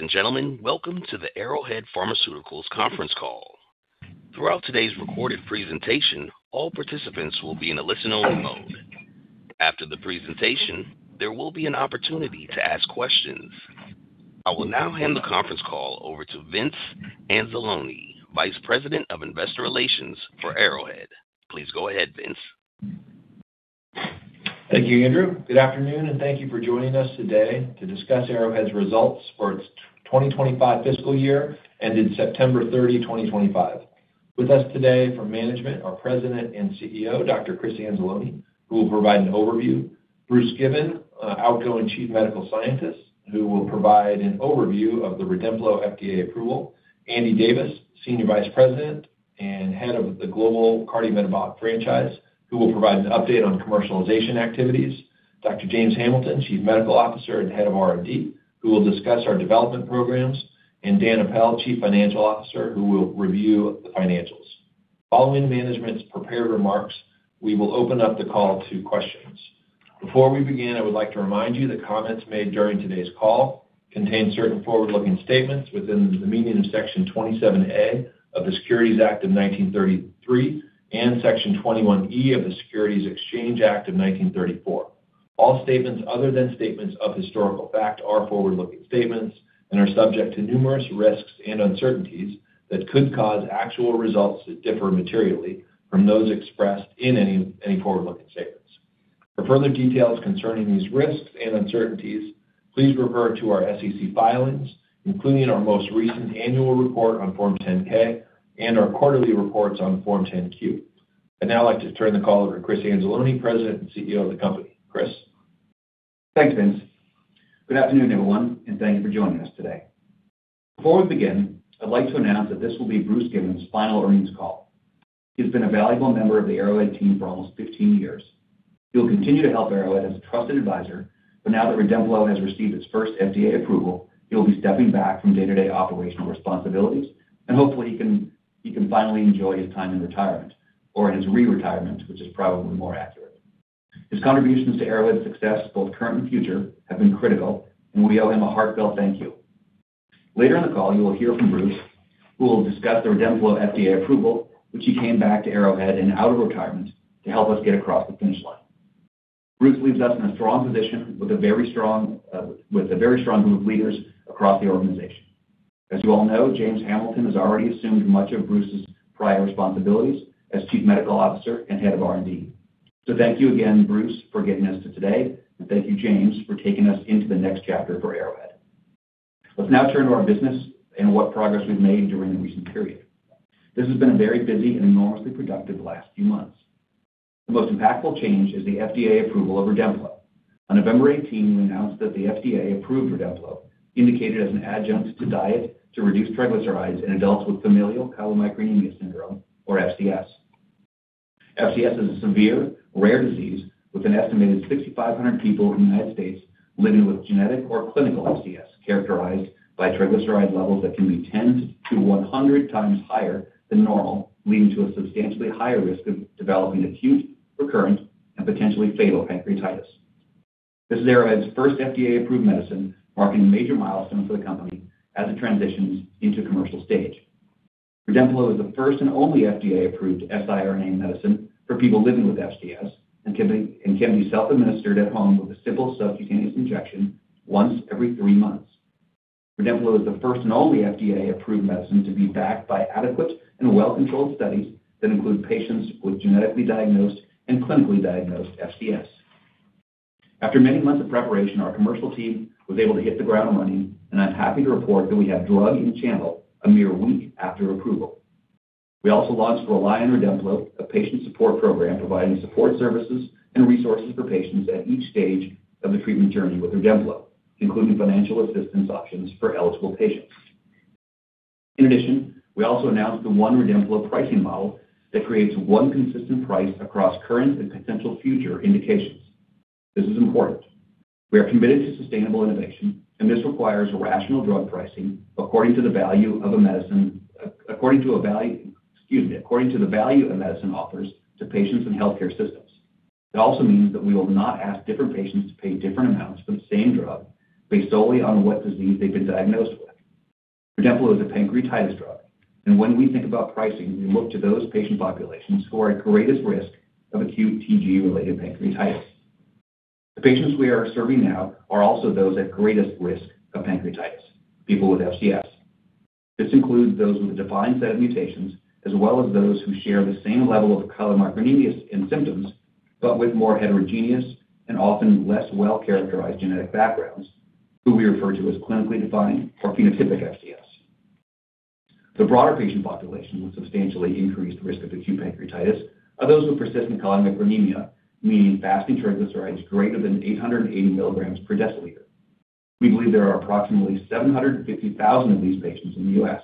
Ladies and gentlemen, welcome to the Arrowhead Pharmaceuticals conference call. Throughout today's recorded presentation, all participants will be in a listen-only mode. After the presentation, there will be an opportunity to ask questions. I will now hand the conference call over to Vince Anzalone, Vice President of Investor Relations for Arrowhead. Please go ahead, Vince. Thank you, Andrew. Good afternoon, and thank you for joining us today to discuss Arrowhead Pharmaceuticals' results for its 2025 fiscal year ended September 30, 2025. With us today for management are President and CEO, Dr. Chris Anzalone, who will provide an overview; Bruce Gibbon, outgoing Chief Medical Officer, who will provide an overview of the Redemplo FDA approval; Andy Davis, Senior Vice President and Head of the Global Cardiometabolic Franchise, who will provide an update on commercialization activities; Dr. James Hamilton, Chief Medical Officer and Head of R&D, who will discuss our development programs; and Dan Apel, Chief Financial Officer, who will review the financials. Following management's prepared remarks, we will open up the call to questions. Before we begin, I would like to remind you that comments made during today's call contain certain forward-looking statements within the meaning of Section 27A of the Securities Act of 1933 and Section 21E of the Securities Exchange Act of 1934. All statements other than statements of historical fact are forward-looking statements and are subject to numerous risks and uncertainties that could cause actual results that differ materially from those expressed in any forward-looking statements. For further details concerning these risks and uncertainties, please refer to our SEC filings, including our most recent annual report on Form 10-K and our quarterly reports on Form 10-Q. I'd now like to turn the call over to Chris Anzalone, President and CEO of the company. Chris. Thanks, Vince. Good afternoon, everyone, and thank you for joining us today. Before we begin, I'd like to announce that this will be Bruce Given's final earnings call. He has been a valuable member of the Arrowhead team for almost 15 years. He will continue to help Arrowhead as a trusted advisor, but now that Redemplo has received its first FDA approval, he'll be stepping back from day-to-day operational responsibilities, and hopefully he can finally enjoy his time in retirement, or in his re-retirement, which is probably more accurate. His contributions to Arrowhead's success, both current and future, have been critical, and we owe him a heartfelt thank you. Later in the call, you will hear from Bruce, who will discuss the Redemplo FDA approval, which he came back to Arrowhead in and out of retirement to help us get across the finish line. Bruce leaves us in a strong position with a very strong group of leaders across the organization. As you all know, James Hamilton has already assumed much of Bruce's prior responsibilities as Chief Medical Officer and Head of R&D. Thank you again, Bruce, for getting us to today, and thank you, James, for taking us into the next chapter for Arrowhead. Let's now turn to our business and what progress we've made during the recent period. This has been a very busy and enormously productive last few months. The most impactful change is the FDA approval of Redemplo. On November 18, we announced that the FDA approved Redemplo, indicated as an adjunct to diet to reduce triglycerides in adults with familial chylomicronemia syndrome, or FCS. FCS is a severe, rare disease with an estimated 6,500 people in the United States living with genetic or clinical FCS characterized by triglyceride levels that can be 10-100 times higher than normal, leading to a substantially higher risk of developing acute, recurrent, and potentially fatal pancreatitis. This is Arrowhead Pharmaceuticals' first FDA-approved medicine, marking a major milestone for the company as it transitions into commercial stage. Redemplo is the first and only FDA-approved siRNA medicine for people living with FCS and can be self-administered at home with a simple subcutaneous injection once every three months. Redemplo is the first and only FDA-approved medicine to be backed by adequate and well-controlled studies that include patients with genetically diagnosed and clinically diagnosed FCS. After many months of preparation, our commercial team was able to hit the ground running, and I'm happy to report that we had drug in channel a mere week after approval. We also launched Rely on Redemplo, a patient support program providing support services and resources for patients at each stage of the treatment journey with Redemplo, including financial assistance options for eligible patients. In addition, we also announced the One Redemplo pricing model that creates one consistent price across current and potential future indications. This is important. We are committed to sustainable innovation, and this requires rational drug pricing according to the value a medicine offers to patients and healthcare systems. It also means that we will not ask different patients to pay different amounts for the same drug based solely on what disease they've been diagnosed with. Redemplo is a pancreatitis drug, and when we think about pricing, we look to those patient populations who are at greatest risk of acute TG-related pancreatitis. The patients we are serving now are also those at greatest risk of pancreatitis, people with FCS. This includes those with a defined set of mutations as well as those who share the same level of chylomicronemia in symptoms, but with more heterogeneous and often less well-characterized genetic backgrounds, who we refer to as clinically defined or phenotypic FCS. The broader patient population with substantially increased risk of acute pancreatitis are those with persistent chylomicronemia, meaning fasting triglycerides greater than 880 mg per deciliter. We believe there are approximately 750,000 of these patients in the U.S.,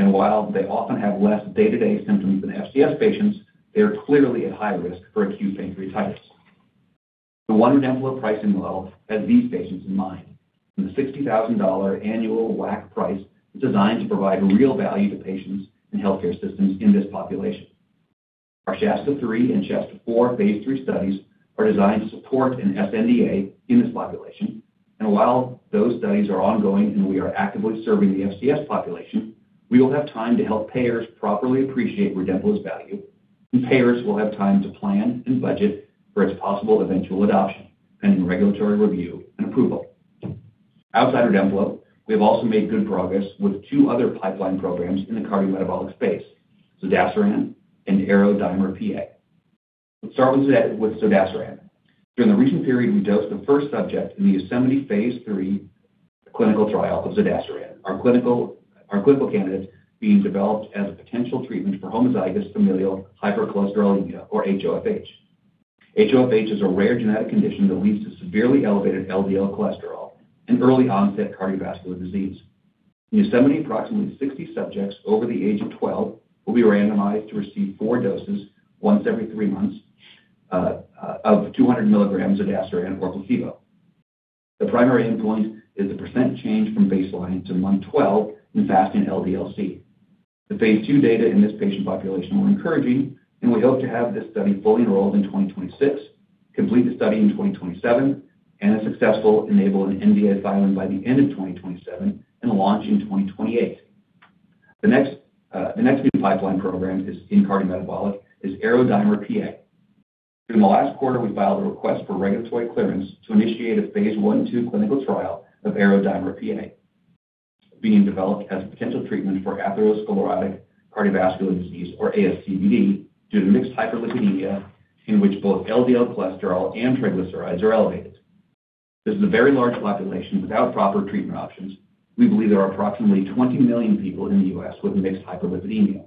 and while they often have less day-to-day symptoms than FCS patients, they are clearly at high risk for acute pancreatitis. The One Redemplo pricing model has these patients in mind, and the $60,000 annual WAC price is designed to provide real value to patients and healthcare systems in this population. Our Shasta III and Shasta IV phase III studies are designed to support an SNDA in this population, and while those studies are ongoing and we are actively serving the FCS population, we will have time to help payers properly appreciate Redemplo's value, and payers will have time to plan and budget for its possible eventual adoption pending regulatory review and approval. Outside Redemplo, we have also made good progress with two other pipeline programs in the cardiometabolic space, Zodasiran and ArrowDiamond PA. Let's start with Zodasiran. During the recent period, we dosed the first subject in the Yosemite phase III clinical trial of Zodasiran, our clinical candidate being developed as a potential treatment for homozygous familial hypercholesterolemia, or HoFH. HoFH is a rare genetic condition that leads to severely elevated LDL cholesterol and early-onset cardiovascular disease. In Yosemite, approximately 60 subjects over the age of 12 will be randomized to receive four doses once every three months of 200 mg of Zodasiran or placebo. The primary endpoint is thepercent change from baseline to month 12 in fasting LDL-C. The phase II data in this patient population were encouraging, and we hope to have this study fully enrolled in 2026, complete the study in 2027, and if successful, enable an NDA filing by the end of 2027 and launch in 2028. The next new pipeline program in cardiometabolic is ArrowDiamond PA. In the last quarter, we filed a request for regulatory clearance to initiate a phase I and II clinical trial of ArrowDiamond PA, being developed as a potential treatment for atherosclerotic cardiovascular disease, or ASCVD, due to mixed hyperlipidemia in which both LDL cholesterol and triglycerides are elevated. This is a very large population without proper treatment options. We believe there are approximately 20 million people in the U.S. with mixed hyperlipidemia.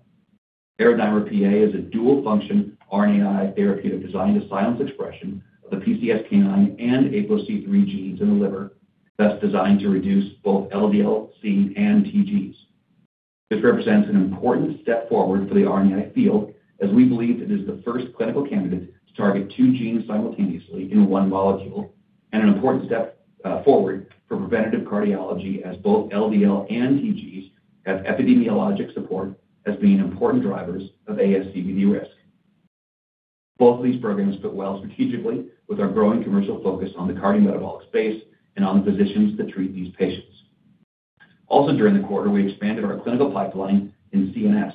ARO‑DIMER‑PA is a dual-function RNAi therapeutic designed to silence expression of the PCSK9 and ApoC3 genes in the liver, thus designed to reduce both LDL-C and TGs. This represents an important step forward for the RNAi field, as we believe it is the first clinical candidate to target two genes simultaneously in one molecule and an important step forward for preventative cardiology, as both LDL and TGs have epidemiologic support as being important drivers of ASCVD risk. Both of these programs fit well strategically with our growing commercial focus on the cardiometabolic space and on the physicians that treat these patients. Also, during the quarter, we expanded our clinical pipeline in CNS.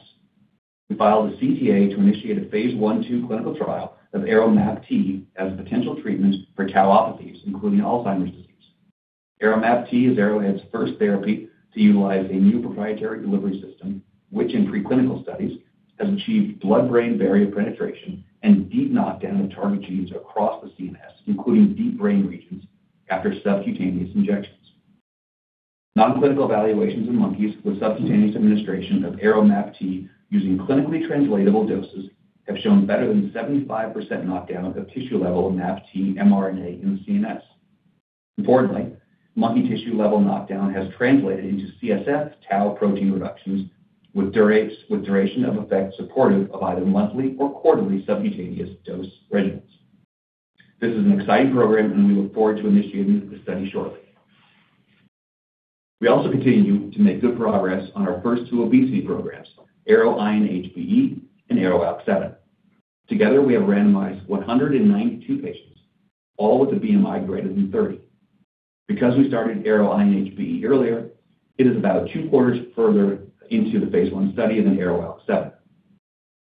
We filed a CTA to initiate a phase I and II clinical trial of ARO‑MAPT as a potential treatment for tauopathies, including Alzheimer's disease. ARO‑MAPT is Arrowhead's first therapy to utilize a new proprietary delivery system, which in preclinical studies has achieved blood-brain barrier penetration and deep knockdown of target genes across the CNS, including deep brain regions, after subcutaneous injections. Non-clinical evaluations in monkeys with subcutaneous administration of ARO‑MAPT using clinically translatable doses have shown better than 75% knockdown of tissue-level MAPT mRNA in the CNS. Importantly, monkey tissue-level knockdown has translated into CSF tau protein reductions with duration of effect supportive of either monthly or quarterly subcutaneous dose regimens. This is an exciting program, and we look forward to initiating the study shortly. We also continue to make good progress on our first two obesity programs, ARO‑INHBE and ARO-ALK7. Together, we have randomized 192 patients, all with a BMI greater than 30. Because we started ARO‑INHBE earlier, it is about two quarters further into the phase I study than ARO-ALK7.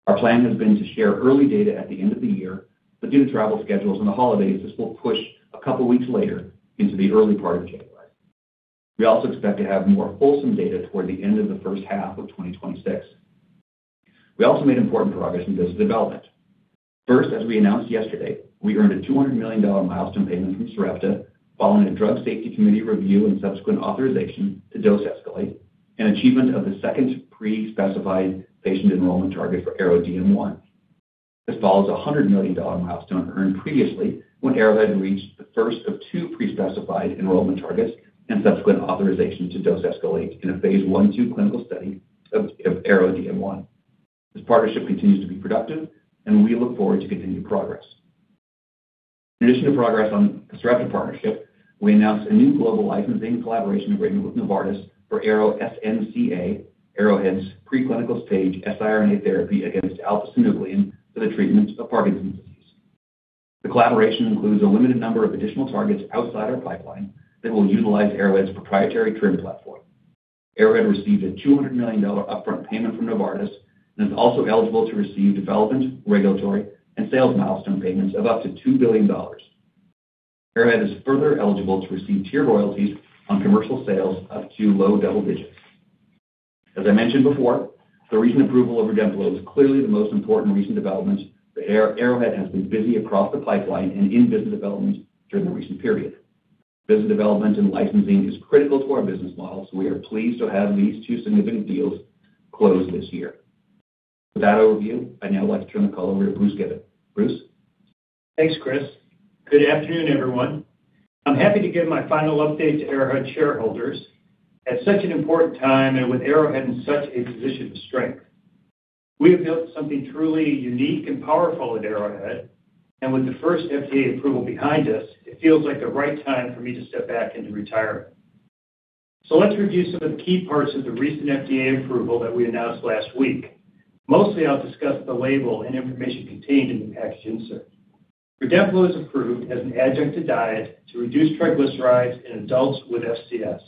Our plan has been to share early data at the end of the year, but due to travel schedules and the holidays, this will push a couple of weeks later into the early part of January. We also expect to have more fulsome data toward the end of the first half of 2026. We also made important progress in business development. First, as we announced yesterday, we earned a $200 million milestone payment from Sarepta following a Drug Safety Committee review and subsequent authorization to dose escalate and achievement of the second pre-specified patient enrollment target for ARO-DM1. This follows a $100 million milestone earned previously when Arrowhead reached the first of two pre-specified enrollment targets and subsequent authorization to dose escalate in a phase I and II clinical study of ARO-DM1. This partnership continues to be productive, and we look forward to continued progress. In addition to progress on the Sarepta partnership, we announced a new global licensing collaboration agreement with Novartis for ARO-SNCA, Arrowhead's preclinical stage siRNA therapy against alpha-synuclein for the treatment of Parkinson's disease. The collaboration includes a limited number of additional targets outside our pipeline that will utilize Arrowhead's proprietary TRIM platform. Arrowhead received a $200 million upfront payment from Novartis and is also eligible to receive development, regulatory, and sales milestone payments of up to $2 billion. Arrowhead is further eligible to receive tiered royalties on commercial sales up to low double digits. As I mentioned before, the recent approval of Redemplo is clearly the most important recent development that Arrowhead has been busy across the pipeline and in business development during the recent period. Business development and licensing is critical to our business model, so we are pleased to have these two significant deals close this year. With that overview, I'd now like to turn the call over to Bruce Given. Bruce. Thanks, Chris. Good afternoon, everyone. I'm happy to give my final update to Arrowhead shareholders. At such an important time and with Arrowhead in such a position of strength, we have built something truly unique and powerful at Arrowhead, and with the first FDA approval behind us, it feels like the right time for me to step back into retirement. Let's review some of the key parts of the recent FDA approval that we announced last week. Mostly, I'll discuss the label and information contained in the package insert. Redemplo is approved as an adjunct to diet to reduce triglycerides in adults with FCS.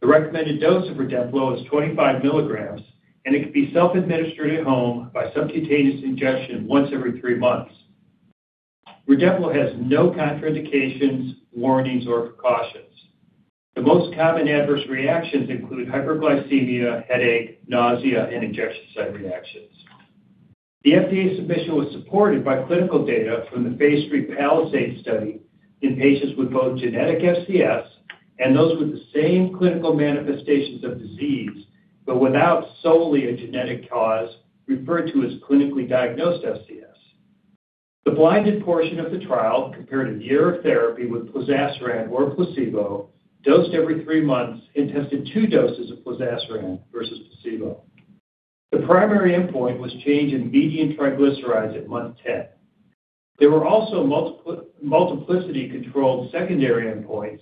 The recommended dose of Redemplo is 25 mg, and it can be self-administered at home by subcutaneous injection once every three months. Redemplo has no contraindications, warnings, or precautions. The most common adverse reactions include hyperglycemia, headache, nausea, and injection site reactions. The FDA submission was supported by clinical data from the phase III Palisade study in patients with both genetic FCS and those with the same clinical manifestations of disease, but without solely a genetic cause referred to as clinically diagnosed FCS. The blinded portion of the trial compared a year of therapy with Plozasiran or placebo, dosed every three months, and tested two doses of Plozasiran versus placebo. The primary endpoint was change in median triglycerides at month 10. There were also multiplicity-controlled secondary endpoints,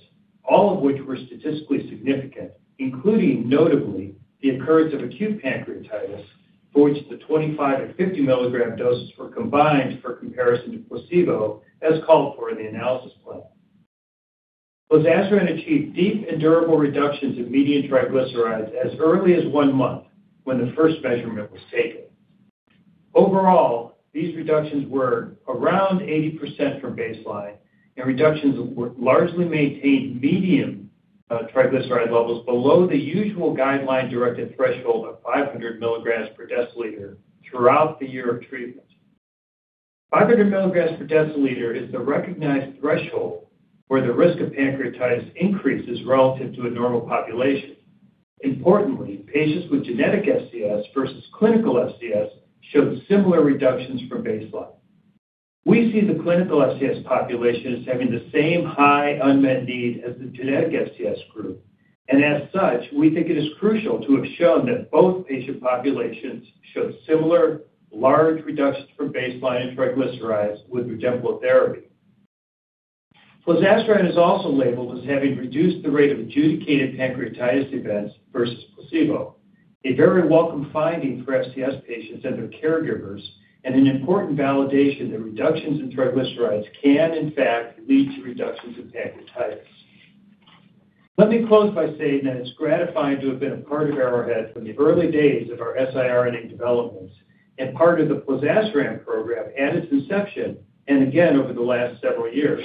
all of which were statistically significant, including notably the occurrence of acute pancreatitis, for which the 25mg-50mg doses were combined for comparison to placebo, as called for in the analysis plan. Plozasiran achieved deep and durable reductions in median triglycerides as early as one month when the first measurement was taken. Overall, these reductions were around 80% from baseline, and reductions largely maintained median triglyceride levels below the usual guideline-directed threshold of 500 mg per deciliter throughout the year of treatment. 500 mg per deciliter is the recognized threshold where the risk of pancreatitis increases relative to a normal population. Importantly, patients with genetic FCS versus clinical FCS showed similar reductions from baseline. We see the clinical FCS population as having the same high unmet need as the genetic FCS group, and as such, we think it is crucial to have shown that both patient populations showed similar large reductions from baseline in triglycerides with Redemplo therapy. Plozasiran is also labeled as having reduced the rate of adjudicated pancreatitis events versus placebo, a very welcome finding for FCS patients and their caregivers, and an important validation that reductions in triglycerides can, in fact, lead to reductions in pancreatitis. Let me close by saying that it's gratifying to have been a part of Arrowhead from the early days of our siRNA developments and part of the Plozasiran program at its inception and again over the last several years.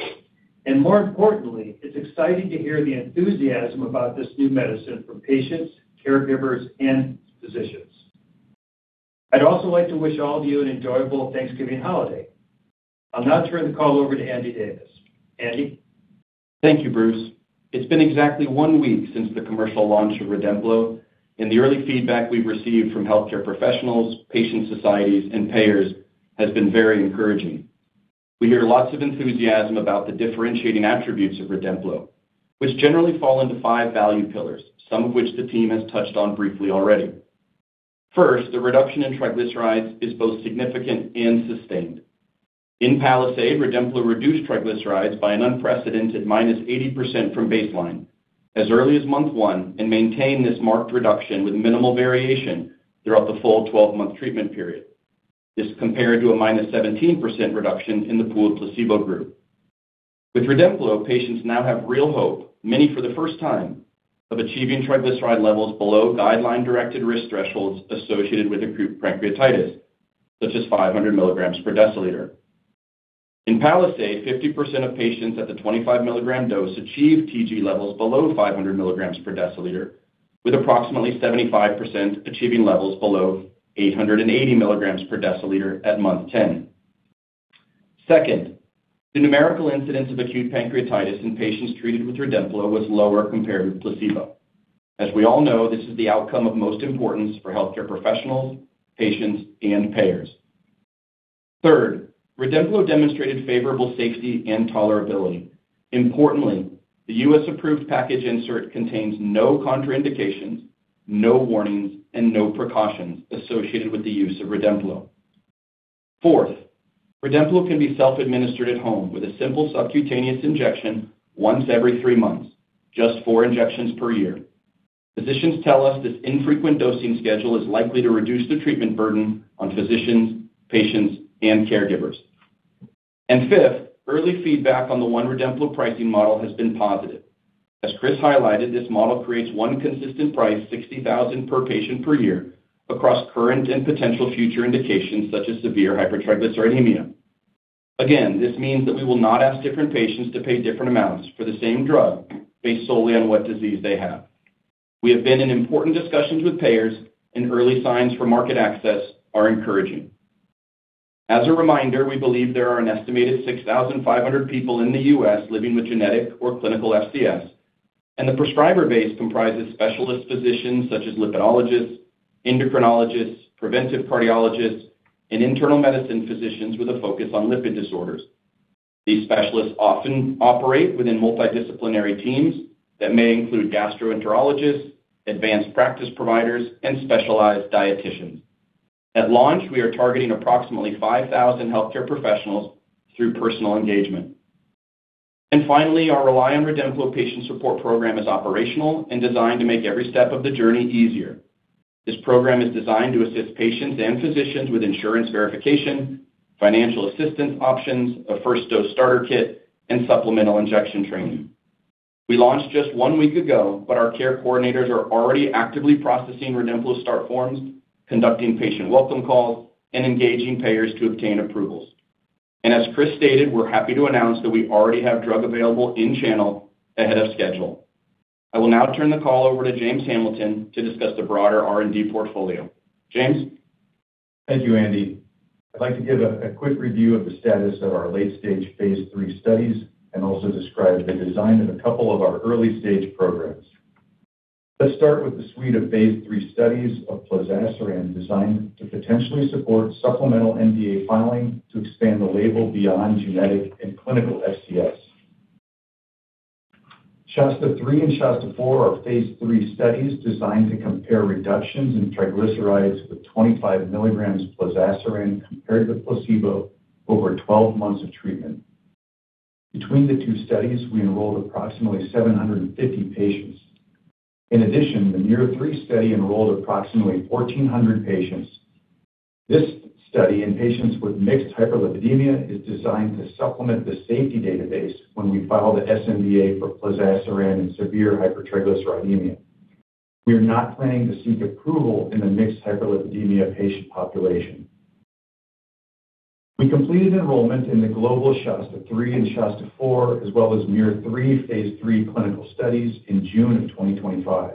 More importantly, it's exciting to hear the enthusiasm about this new medicine from patients, caregivers, and physicians. I'd also like to wish all of you an enjoyable Thanksgiving holiday. I'll now turn the call over to Andy Davis. Andy? Thank you, Bruce. It's been exactly one week since the commercial launch of Redemplo, and the early feedback we've received from healthcare professionals, patient societies, and payers has been very encouraging. We hear lots of enthusiasm about the differentiating attributes of Redemplo, which generally fall into five value pillars, some of which the team has touched on briefly already. First, the reduction in triglycerides is both significant and sustained. In Palisade, Redemplo reduced triglycerides by an unprecedented -80% from baseline as early as month one and maintained this marked reduction with minimal variation throughout the full 12-month treatment period. This is compared to a -17% reduction in the pooled placebo group. With Redemplo, patients now have real hope, many for the first time, of achieving triglyceride levels below guideline-directed risk thresholds associated with acute pancreatitis, such as 500 mg per deciliter. In Palisade, 50% of patients at the 25-mg dose achieved TG levels below 500 mg per deciliter, with approximately 75% achieving levels below 880 mg per deciliter at month 10. Second, the numerical incidence of acute pancreatitis in patients treated with Redemplo was lower compared with placebo. As we all know, this is the outcome of most importance for healthcare professionals, patients, and payers. Third, Redemplo demonstrated favorable safety and tolerability. Importantly, the U.S.-approved package insert contains no contraindications, no warnings, and no precautions associated with the use of Redemplo. Fourth, Redemplo can be self-administered at home with a simple subcutaneous injection once every three months, just four injections per year. Physicians tell us this infrequent dosing schedule is likely to reduce the treatment burden on physicians, patients, and caregivers. Fifth, early feedback on the one Redemplo pricing model has been positive. As Chris highlighted, this model creates one consistent price, $60,000 per patient per year, across current and potential future indications such as severe hypertriglyceridemia. Again, this means that we will not ask different patients to pay different amounts for the same drug based solely on what disease they have. We have been in important discussions with payers, and early signs for market access are encouraging. As a reminder, we believe there are an estimated 6,500 people in the U.S. living with genetic or clinical FCS, and the prescriber base comprises specialist physicians such as lipidologists, endocrinologists, preventive cardiologists, and internal medicine physicians with a focus on lipid disorders. These specialists often operate within multidisciplinary teams that may include gastroenterologists, advanced practice providers, and specialized dieticians. At launch, we are targeting approximately 5,000 healthcare professionals through personal engagement. Finally, our Reliant Redemplo Patient Support Program is operational and designed to make every step of the journey easier. This program is designed to assist patients and physicians with insurance verification, financial assistance options, a first-dose starter kit, and supplemental injection training. We launched just one week ago, but our care coordinators are already actively processing Redemplo start forms, conducting patient welcome calls, and engaging payers to obtain approvals. As Chris stated, we're happy to announce that we already have drug available in channel ahead of schedule. I will now turn the call over to James Hamilton to discuss the broader R&D portfolio. James? Thank you, Andy. I'd like to give a quick review of the status of our late-stage phase III studies and also describe the design of a couple of our early-stage programs. Let's start with the suite of phase III studies of Plozasiran designed to potentially support supplemental NDA filing to expand the label beyond genetic and clinical FCS. Shasta III and Shasta IV are phase III studies designed to compare reductions in triglycerides with 25 mg Plozasiran compared with placebo over 12 months of treatment. Between the two studies, we enrolled approximately 750 patients. In addition, the MUIR III study enrolled approximately 1,400 patients. This study in patients with mixed hyperlipidemia is designed to supplement the safety database when we file the SNDA for Plozasiran in severe hypertriglyceridemia. We are not planning to seek approval in the mixed hyperlipidemia patient population. We completed enrollment in the global Shasta III and Shasta IV, as well as MUIR III phase III clinical studies in June of 2025.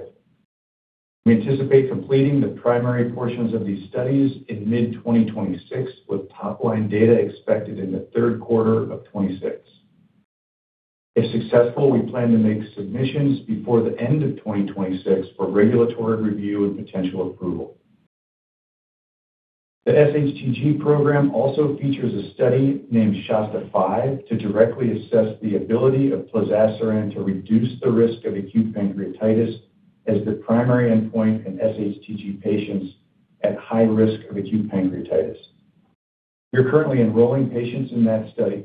We anticipate completing the primary portions of these studies in mid-2026, with top-line data expected in the third quarter of 2026. If successful, we plan to make submissions before the end of 2026 for regulatory review and potential approval. The SHTG program also features a study named Shasta V to directly assess the ability of Plozasiran to reduce the risk of acute pancreatitis as the primary endpoint in SHTG patients at high risk of acute pancreatitis. We are currently enrolling patients in that study.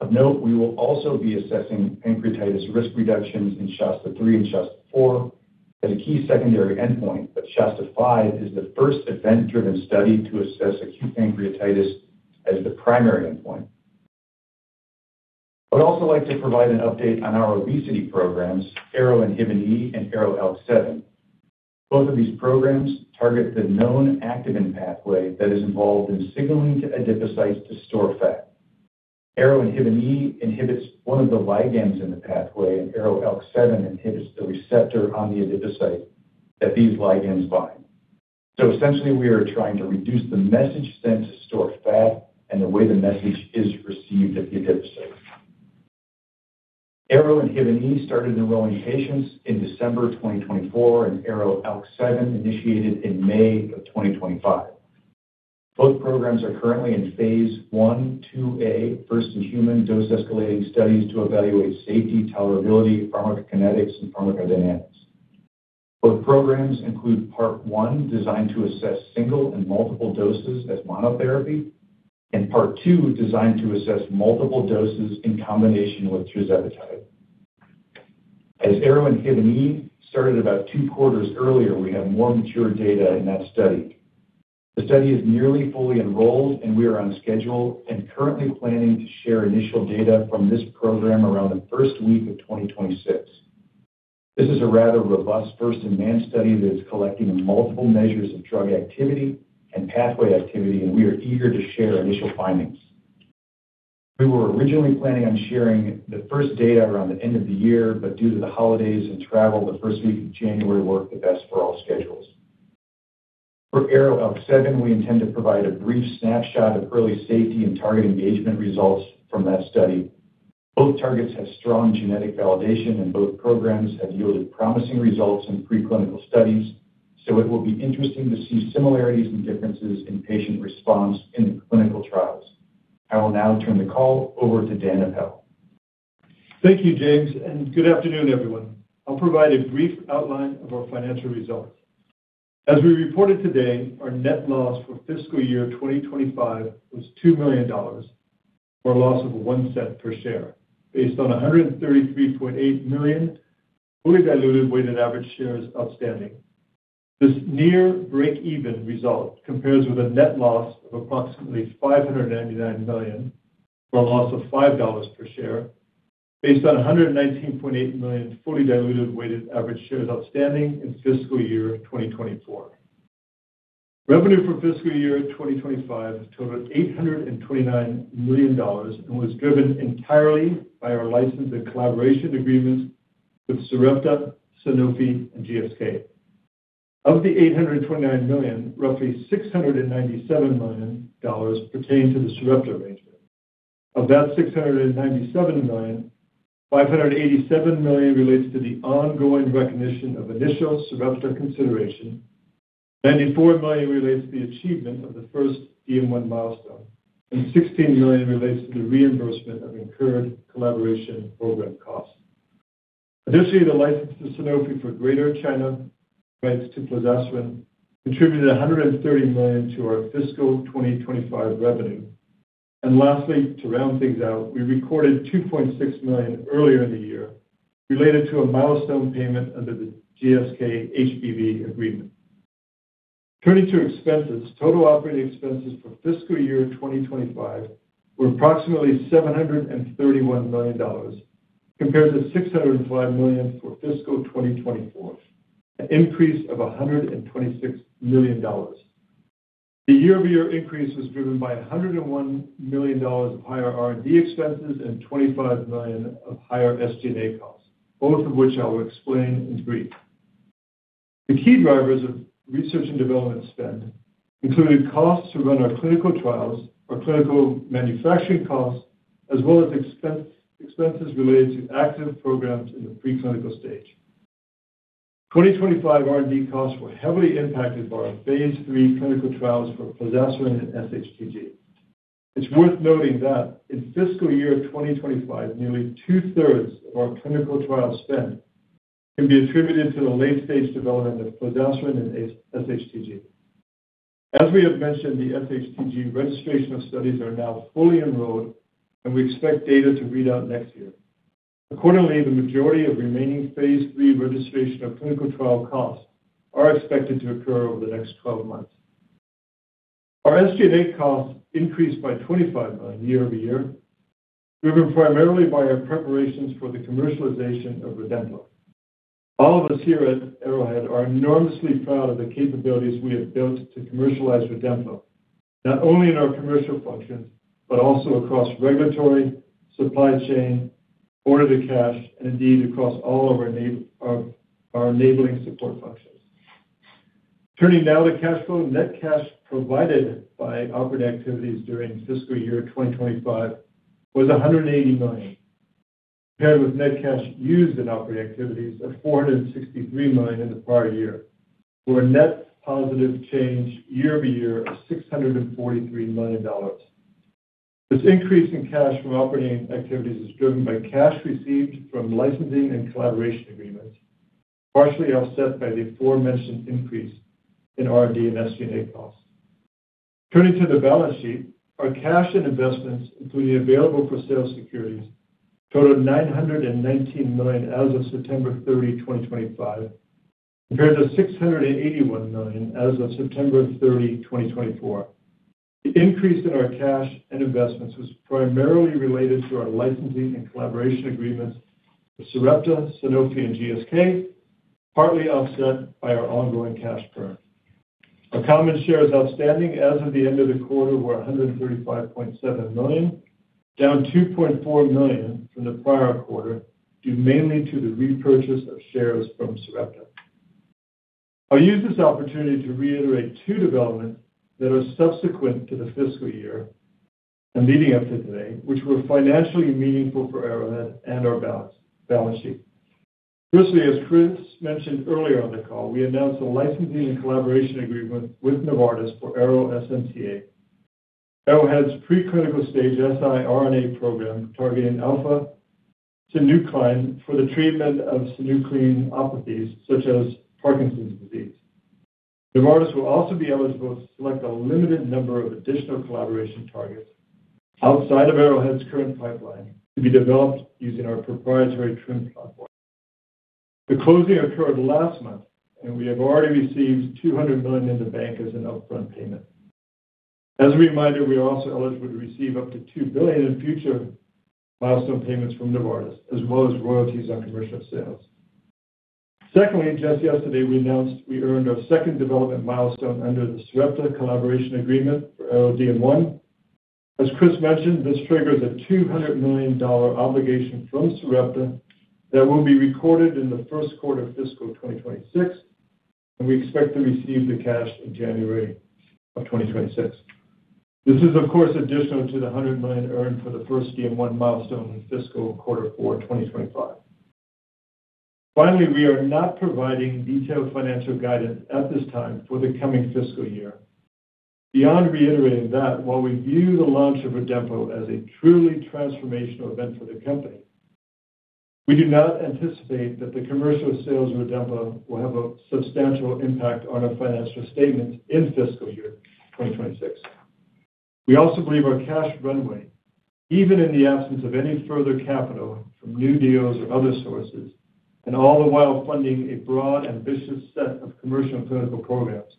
Of note, we will also be assessing pancreatitis risk reductions in Shasta III and Shasta IV as a key secondary endpoint, but Shasta V is the first event-driven study to assess acute pancreatitis as the primary endpoint. I would also like to provide an update on our obesity programs, ARO-INHBE and ARO-ALK7. Both of these programs target the known activin pathway that is involved in signaling to adipocytes to store fat. ARO-INHBE inhibits one of the ligands in the pathway, and ARO-ALK7 inhibits the receptor on the adipocyte that these ligands bind. Essentially, we are trying to reduce the message sent to store fat and the way the message is received at the adipocytes. ARO-INHBE started enrolling patients in December 2024, and ARO-ALK7 initiated in May of 2025. Both programs are currently in phase I, IIA, first in human dose-escalating studies to evaluate safety, tolerability, pharmacokinetics, and pharmacodynamics. Both programs include Part I, designed to assess single and multiple doses as monotherapy, and Part II, designed to assess multiple doses in combination with tirzepatide. As ARO-INHBE started about two quarters earlier, we have more mature data in that study. The study is nearly fully enrolled, and we are on schedule and currently planning to share initial data from this program around the first week of 2026. This is a rather robust first-in-man study that is collecting multiple measures of drug activity and pathway activity, and we are eager to share initial findings. We were originally planning on sharing the first data around the end of the year, but due to the holidays and travel, the first week of January worked the best for all schedules. For ARO-ALK7, we intend to provide a brief snapshot of early safety and target engagement results from that study. Both targets have strong genetic validation, and both programs have yielded promising results in preclinical studies, so it will be interesting to see similarities and differences in patient response in the clinical trials. I will now turn the call over to Dan Apel. Thank you, James, and good afternoon, everyone. I'll provide a brief outline of our financial results. As we reported today, our net loss for fiscal year 2025 was $2 million for a loss of $0.01 per share, based on 133.8 million fully diluted weighted average shares outstanding. This near break-even result compares with a net loss of approximately $599 million for a loss of $5 per share, based on 119.8 million fully diluted weighted average shares outstanding in fiscal year 2024. Revenue for fiscal year 2025 totaled $829 million and was driven entirely by our license and collaboration agreements with Sarepta Therapeutics, Sanofi, and GlaxoSmithKline. Of the $829 million, roughly $697 million pertained to the Sarepta Therapeutics arrangement. Of that $697 million, $587 million relates to the ongoing recognition of initial Sarepta consideration, $94 million relates to the achievement of the first DM-1 milestone, and $16 million relates to the reimbursement of incurred collaboration program costs. Additionally, the license to Sanofi for Greater China rights to Plozasiran contributed $130 million to our fiscal 2025 revenue. Lastly, to round things out, we recorded $2.6 million earlier in the year related to a milestone payment under the GSK-HBV agreement. Turning to expenses, total operating expenses for fiscal year 2025 were approximately $731 million, compared to $605 million for fiscal 2024, an increase of $126 million. The year-over-year increase was driven by $101 million of higher R&D expenses and $25 million of higher SG&A costs, both of which I will explain in brief. The key drivers of research and development spend included costs to run our clinical trials, our clinical manufacturing costs, as well as expenses related to active programs in the preclinical stage. 2025 R&D costs were heavily impacted by our phase III clinical trials for Plozasiran and SHTG. It's worth noting that in fiscal year 2025, nearly two-thirds of our clinical trial spend can be attributed to the late-stage development of Plozasiran and SHTG. As we have mentioned, the SHTG registration studies are now fully enrolled, and we expect data to read out next year. Accordingly, the majority of remaining phase III registration clinical trial costs are expected to occur over the next 12 months. Our SG&A costs increased by $25 million year-over-year, driven primarily by our preparations for the commercialization of Redemplo. All of us here at Arrowhead are enormously proud of the capabilities we have built to commercialize Redemplo, not only in our commercial functions, but also across regulatory, supply chain, order-to-cash, and indeed across all of our enabling support functions. Turning now to cash flow, net cash provided by operating activities during fiscal year 2025 was $180 million, paired with net cash used in operating activities of $463 million in the prior year, for a net positive change year-over-year of $643 million. This increase in cash from operating activities is driven by cash received from licensing and collaboration agreements, partially offset by the aforementioned increase in R&D and SG&A costs. Turning to the balance sheet, our cash and investments, including available for sale securities, totaled $919 million as of September 30, 2025, compared to $681 million as of September 30, 2024. The increase in our cash and investments was primarily related to our licensing and collaboration agreements with Sarepta, Sanofi, and GSK, partly offset by our ongoing cash burn. Our common shares outstanding as of the end of the quarter were $135.7 million, down $2.4 million from the prior quarter, due mainly to the repurchase of shares from Sarepta. I'll use this opportunity to reiterate two developments that are subsequent to the fiscal year and leading up to today, which were financially meaningful for Arrowhead and our balance sheet. Firstly, as Chris mentioned earlier on the call, we announced a licensing and collaboration agreement with Novartis for ARO‑SNCA, Arrowhead's preclinical stage siRNA program targeting alpha-synuclein for the treatment of synucleinopathies such as Parkinson's disease. Novartis will also be eligible to select a limited number of additional collaboration targets outside of Arrowhead's current pipeline to be developed using our proprietary TRIM platform. The closing occurred last month, and we have already received $200 million in the bank as an upfront payment. As a reminder, we are also eligible to receive up to $2 billion in future milestone payments from Novartis, as well as royalties on commercial sales. Secondly, just yesterday, we announced we earned our second development milestone under the Sarepta collaboration agreement for ARO-DM1. As Chris mentioned, this triggers a $200 million obligation from Sarepta that will be recorded in the first quarter of fiscal 2026, and we expect to receive the cash in January of 2026. This is, of course, additional to the $100 million earned for the first ARO-DM1 milestone in fiscal quarter 4, 2025. Finally, we are not providing detailed financial guidance at this time for the coming fiscal year. Beyond reiterating that, while we view the launch of Redemplo as a truly transformational event for the company, we do not anticipate that the commercial sales of Redemplo will have a substantial impact on our financial statements in fiscal year 2026. We also believe our cash runway, even in the absence of any further capital from new deals or other sources, and all the while funding a broad, ambitious set of commercial and clinical programs,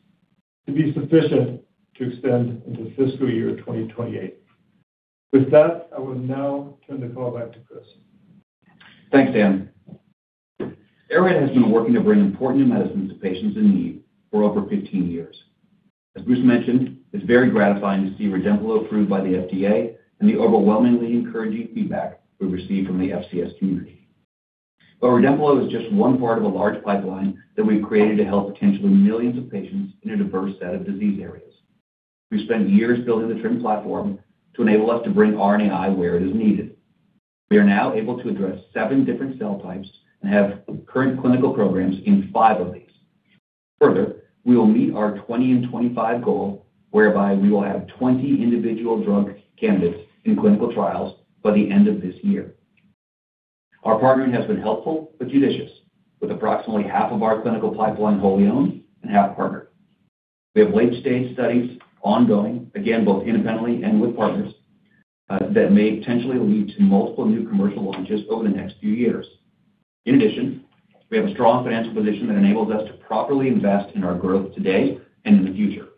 to be sufficient to extend into fiscal year 2028. With that, I will now turn the call back to Chris. Thanks, Dan. Arrowhead has been working to bring important medicines to patients in need for over 15 years. As Bruce mentioned, it's very gratifying to see Redemplo approved by the FDA and the overwhelmingly encouraging feedback we've received from the FCS community. Redemplo is just one part of a large pipeline that we've created to help potentially millions of patients in a diverse set of disease areas. We've spent years building the TRIM platform to enable us to bring RNAi where it is needed. We are now able to address seven different cell types and have current clinical programs in five of these. Further, we will meet our 2025 goal, whereby we will have 20 individual drug candidates in clinical trials by the end of this year. Our partnering has been helpful but judicious, with approximately half of our clinical pipeline wholly owned and half partnered. We have late-stage studies ongoing, again, both independently and with partners, that may potentially lead to multiple new commercial launches over the next few years. In addition, we have a strong financial position that enables us to properly invest in our growth today and in the future.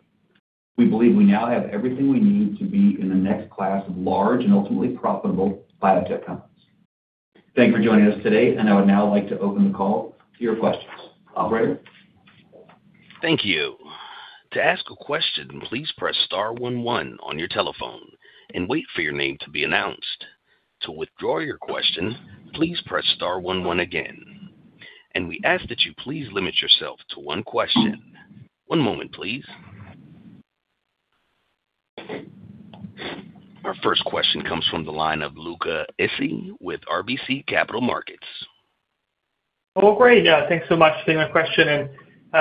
We believe we now have everything we need to be in the next class of large and ultimately profitable biotech companies. Thank you for joining us today, and I would now like to open the call to your questions. Operator? Thank you. To ask a question, please press star 11 on your telephone and wait for your name to be announced. To withdraw your question, please press star 11 again. We ask that you please limit yourself to one question. One moment, please. Our first question comes from the line of Luca Issi with RBC Capital Markets. Great. Thanks so much for taking my question.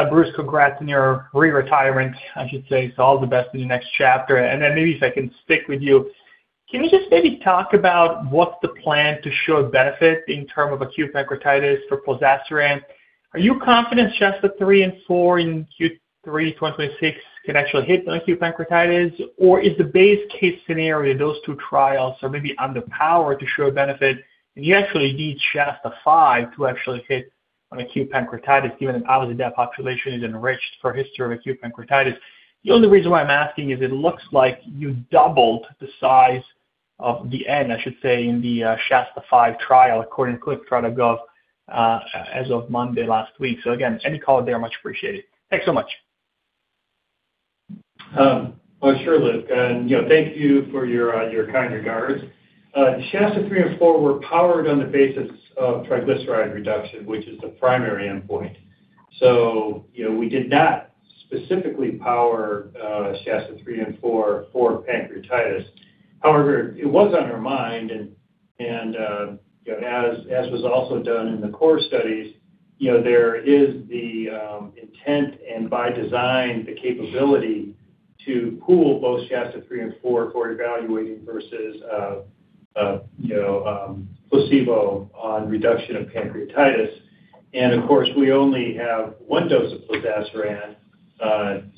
Bruce, congrats on your re-retirement, I should say. All the best in the next chapter. Maybe if I can stick with you, can you just maybe talk about what's the plan to show benefit in terms of acute pancreatitis for Plozasiran? Are you confident shots at three and four in Q3 2026 can actually hit on acute pancreatitis, or is the base case scenario that those two trials are maybe underpowered to show benefit, and you actually need shots at five to actually hit on acute pancreatitis, given that obviously that population is enriched for a history of acute pancreatitis? The only reason why I'm asking is it looks like you doubled the size of the n, I should say, in the shots at five trial, according to clinical.gov as of Monday last week. Again, any comment there, much appreciated. Thanks so much. Thank you for your kind regards. Shots at three and four were powered on the basis of triglyceride reduction, which is the primary endpoint. We did not specifically power shots at three and four for pancreatitis. However, it was on our mind, and as was also done in the core studies, there is the intent and by design the capability to pool both shots at three and four for evaluating versus placebo on reduction of pancreatitis. Of course, we only have one dose of Plozasiran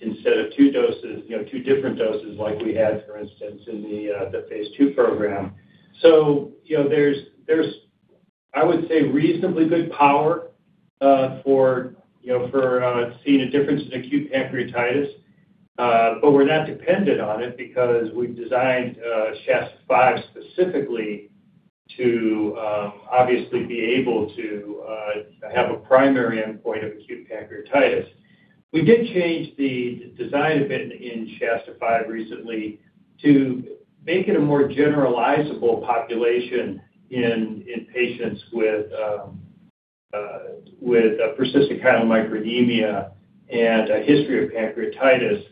instead of two different doses like we had, for instance, in the phase II program. There is, I would say, reasonably good power for seeing a difference in acute pancreatitis, but we are not dependent on it because we have designed shots at five specifically to obviously be able to have a primary endpoint of acute pancreatitis. We did change the design a bit in SHASTA V recently to make it a more generalizable population in patients with persistent chylomicronemia and a history of pancreatitis.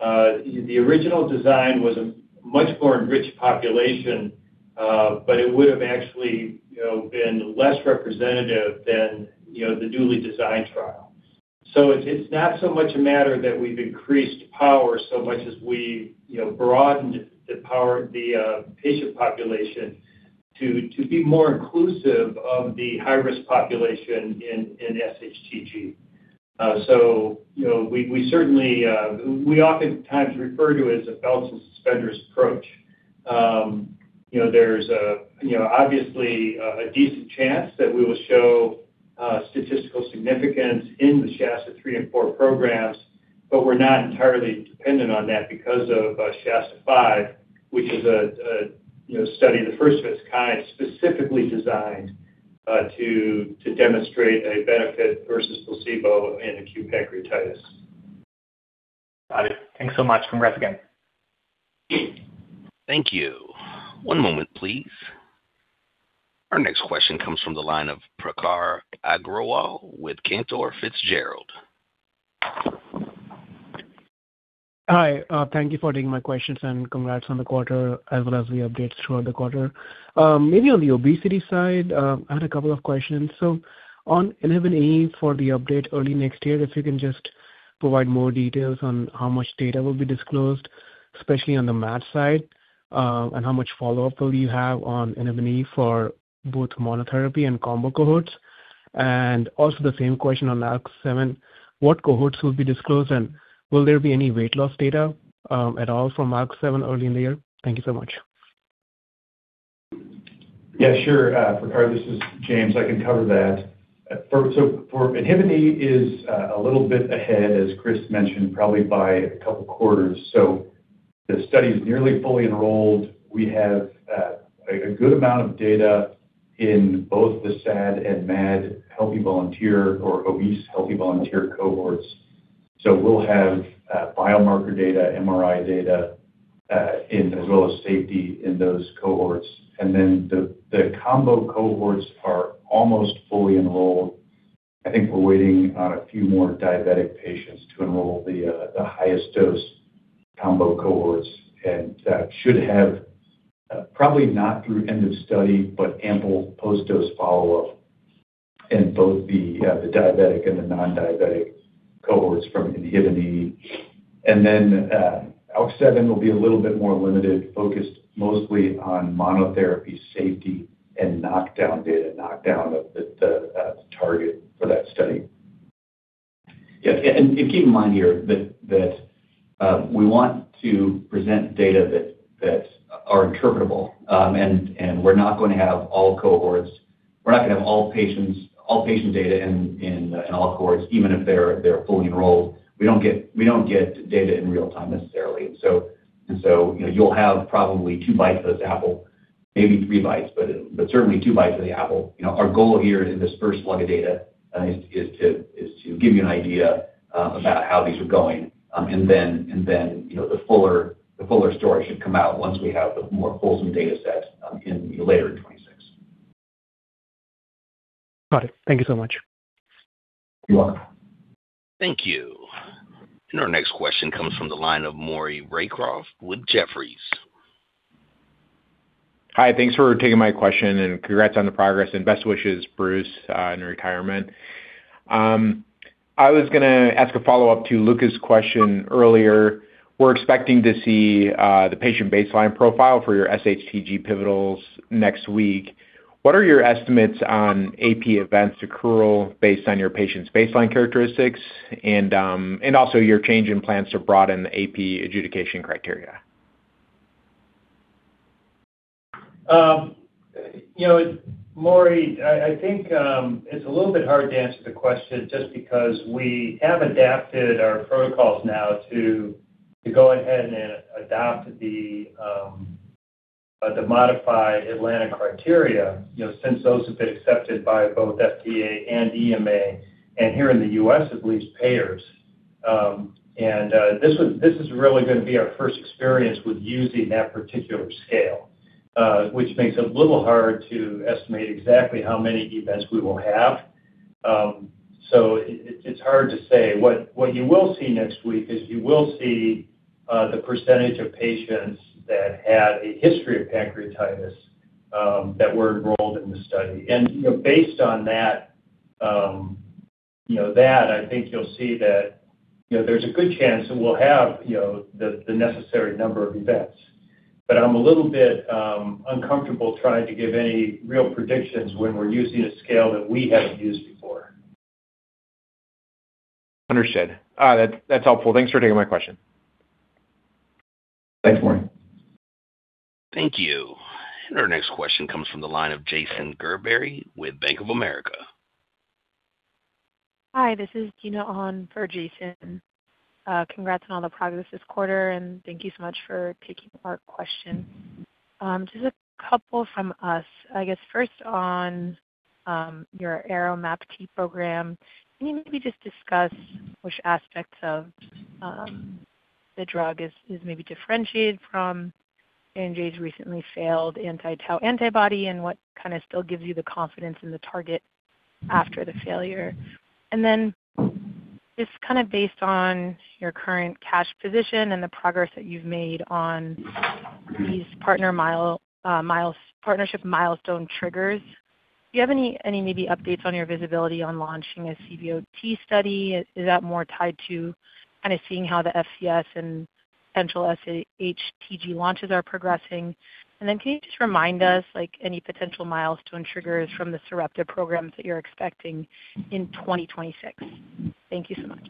The original design was a much more enriched population, but it would have actually been less representative than the newly designed trial. It's not so much a matter that we've increased power so much as we broadened the patient population to be more inclusive of the high-risk population in SHTG. We oftentimes refer to it as a belt and suspenders approach. There's obviously a decent chance that we will show statistical significance in the SHASTA III and IV programs, but we're not entirely dependent on that because of SHASTA V, which is a study, the first of its kind, specifically designed to demonstrate a benefit versus placebo in acute pancreatitis. Got it. Thanks so much. Congrats again. Thank you. One moment, please. Our next question comes from the line of Prakhar Agrawal with Cantor Fitzgerald. Hi. Thank you for taking my questions, and congrats on the quarter as well as the updates throughout the quarter. Maybe on the obesity side, I had a couple of questions. On NABNE for the update early next year, if you can just provide more details on how much data will be disclosed, especially on the MAT side, and how much follow-up will you have on NABNE for both monotherapy and combo cohorts. Also the same question on ARC7, what cohorts will be disclosed, and will there be any weight loss data at all from ARC7 early in the year? Thank you so much. Yeah, sure. Prakhar, this is James. I can cover that. NABNE is a little bit ahead, as Chris mentioned, probably by a couple of quarters. The study is nearly fully enrolled. We have a good amount of data in both the SAD and MAD healthy volunteer or obese healthy volunteer cohorts. We will have biomarker data, MRI data, as well as safety in those cohorts. The combo cohorts are almost fully enrolled. I think we are waiting on a few more diabetic patients to enroll the highest dose combo cohorts, and that should have probably not through end of study, but ample post-dose follow-up in both the diabetic and the non-diabetic cohorts from NABNE. ARC7 will be a little bit more limited, focused mostly on monotherapy safety and knockdown data, knockdown of the target for that study. Yeah. Keep in mind here that we want to present data that are interpretable, and we're not going to have all cohorts. We're not going to have all patient data in all cohorts, even if they're fully enrolled. We don't get data in real time necessarily. You'll have probably two bites of this apple, maybe three bites, but certainly two bites of the apple. Our goal here in this first slug of data is to give you an idea about how these are going, and then the fuller story should come out once we have the more fulsome data set in later in 2026. Got it. Thank you so much. You're welcome. Thank you. Our next question comes from the line of Maury Raycroft with Jefferies. Hi. Thanks for taking my question, and congrats on the progress and best wishes, Bruce, in retirement. I was going to ask a follow-up to Luca's question earlier. We're expecting to see the patient baseline profile for your SHTG pivotals next week. What are your estimates on AP events accrual based on your patient's baseline characteristics, and also your change in plans to broaden the AP adjudication criteria? Maury, I think it's a little bit hard to answer the question just because we have adapted our protocols now to go ahead and adopt the modified Atlanta criteria since those have been accepted by both FDA and EMA, and here in the U.S., at least payers. This is really going to be our first experience with using that particular scale, which makes it a little hard to estimate exactly how many events we will have. It's hard to say. What you will see next week is you will see the percentage of patients that had a history of pancreatitis that were enrolled in the study. Based on that, I think you'll see that there's a good chance that we'll have the necessary number of events. I am a little bit uncomfortable trying to give any real predictions when we're using a scale that we haven't used before. Understood. That's helpful. Thanks for taking my question. Thanks, Maury. Thank you. Our next question comes from the line of Jason Gerbery with Bank of America. Hi. This is Gina Ahn for Jason. Congrats on all the progress this quarter, and thank you so much for taking our question. Just a couple from us. I guess first on your ArrowMapT program, can you maybe just discuss which aspects of the drug is maybe differentiated from J&J's recently failed anti-tau antibody and what kind of still gives you the confidence in the target after the failure? Just kind of based on your current cash position and the progress that you've made on these partnership milestone triggers, do you have any maybe updates on your visibility on launching a CBOT study? Is that more tied to kind of seeing how the FCS and potential SHTG launches are progressing? Can you just remind us any potential milestone triggers from the Sarepta programs that you're expecting in 2026? Thank you so much.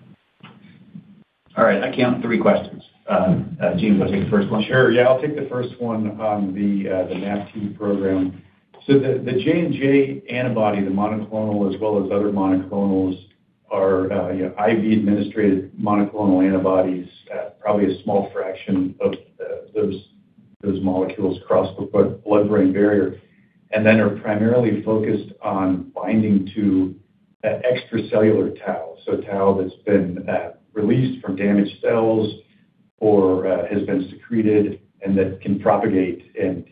All right. I count three questions. Jim, do you want to take the first one? Sure. Yeah, I'll take the first one on the MAPT team program. The J&J antibody, the monoclonal as well as other monoclonals, are IV-administered monoclonal antibodies. Probably a small fraction of those molecules cross the blood-brain barrier, and then are primarily focused on binding to extracellular tau, so tau that's been released from damaged cells or has been secreted and that can propagate and